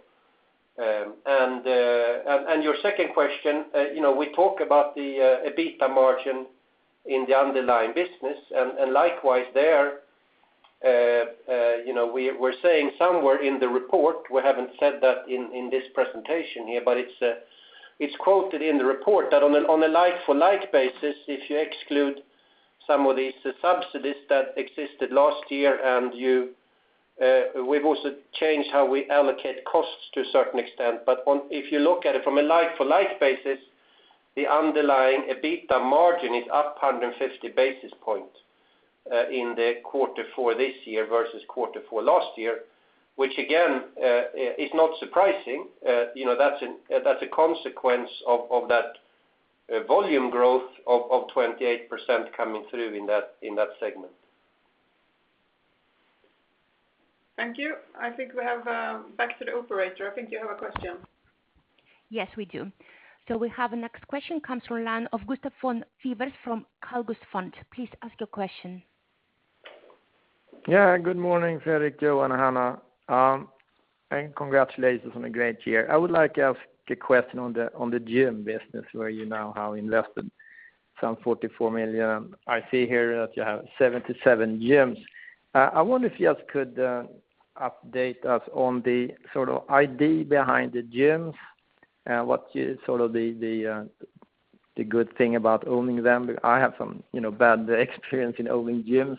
And your second question, you know, we talk about the EBITDA margin in the underlying business. Likewise there, you know, we're saying somewhere in the report, we haven't said that in this presentation here, but it's quoted in the report that on a like for like basis, if you exclude some of these subsidies that existed last year, and we've also changed how we allocate costs to a certain extent. But if you look at it from a like for like basis, the underlying EBITDA margin is up 150 basis points in quarter four this year versus quarter four last year, which again is not surprising. You know, that's a consequence of that volume growth of 28% coming through in that segment. Thank you. I think we have back to the Operator. I think you have a question. Yes, we do. We have the next question comes from the line of Gustaf von Sivers from Carlsquare. Please ask your question. Yeah. Good morning, Fredrik, Joe, and Hannah. Congratulations on a great year. I would like to ask a question on the gym business where you now have invested some 44 million. I see here that you have 77 gyms. I wonder if you guys could update us on the sort of idea behind the gyms. What is sort of the good thing about owning them? I have some, you know, bad experience in owning gyms.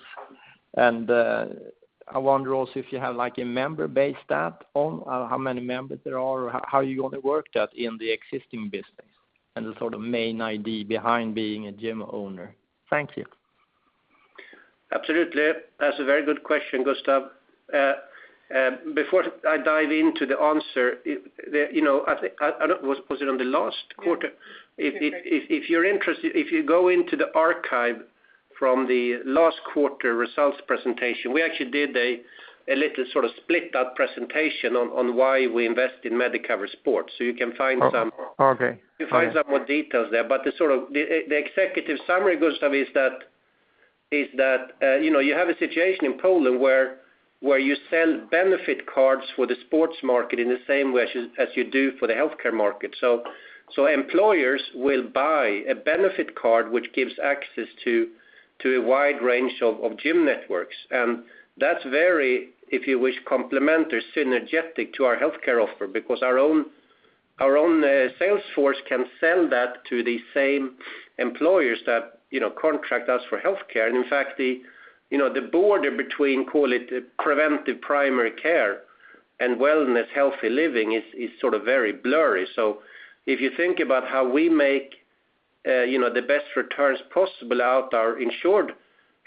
I wonder also if you have, like, a member base stat on how many members there are, or how you want to work that in the existing business, and the sort of main idea behind being a gym owner. Thank you. Absolutely. That's a very good question, Gustav. Before I dive into the answer, you know, was it on the last quarter? Yes. If you're interested, if you go into the archive from the last quarter results presentation, we actually did a little sort of split up presentation on why we invest in Medicover Sport. You can find some- O-okay. You can find some more details there. The executive summary, Gustaf, is that you know, you have a situation in Poland where you sell benefit cards for the sports market in the same way as you do for the healthcare market. Employers will buy a benefit card which gives access to a wide range of gym networks. That's very, if you wish, complementary synergetic to our healthcare offer, because our own sales force can sell that to the same employers that you know, contract us for healthcare. In fact, you know, the border between call it preventive primary care and wellness, healthy living is sort of very blurry. If you think about how we make, you know, the best returns possible out of our insured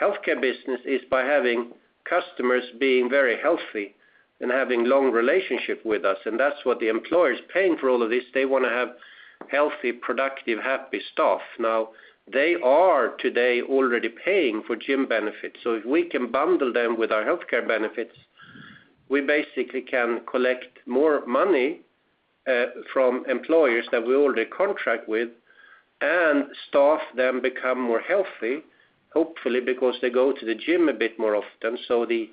healthcare business is by having customers being very healthy and having long relationship with us. That's what the employer is paying for all of this. They wanna have healthy, productive, happy staff. Now they are today already paying for gym benefits. If we can bundle them with our healthcare benefits, we basically can collect more money from employers that we already contract with, and staff then become more healthy, hopefully, because they go to the gym a bit more often. The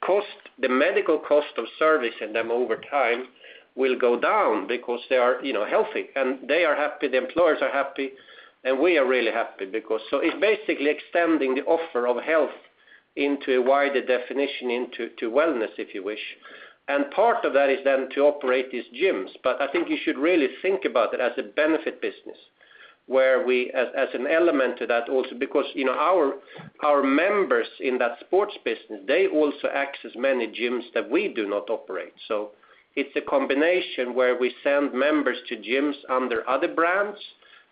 cost, the medical cost of servicing them over time will go down because they are, you know, healthy, and they are happy, the employers are happy, and we are really happy. It's basically extending the offer of health into a wider definition into to wellness, if you wish. Part of that is then to operate these gyms. I think you should really think about it as a benefit business where we as an element to that also because, you know, our members in that sports business, they also access many gyms that we do not operate. It's a combination where we send members to gyms under other brands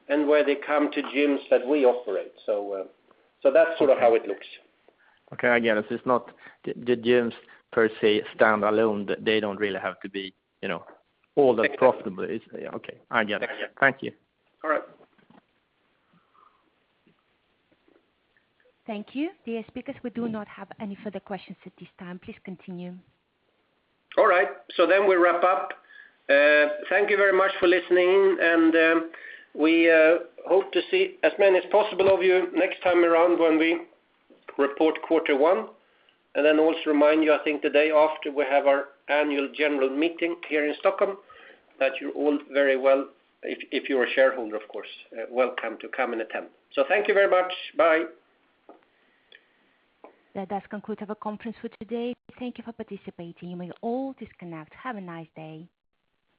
and where they come to gyms that we operate. That's sort of how it looks. Okay, I get it. It's not the gyms per se stand alone. They don't really have to be, you know, all that profitable, is it? Okay, I get it. Thank you. All right. Thank you. Dear speakers, we do not have any further questions at this time. Please continue. All right, we wrap up. Thank you very much for listening in and we hope to see as many as possible of you next time around when we report quarter one. Also remind you, I think the day after we have our annual general meeting here in Stockholm, that you're all very welcome, if you're a shareholder of course, to come and attend. Thank you very much. Bye. That does conclude our conference for today. Thank you for participating. You may all disconnect. Have a nice day.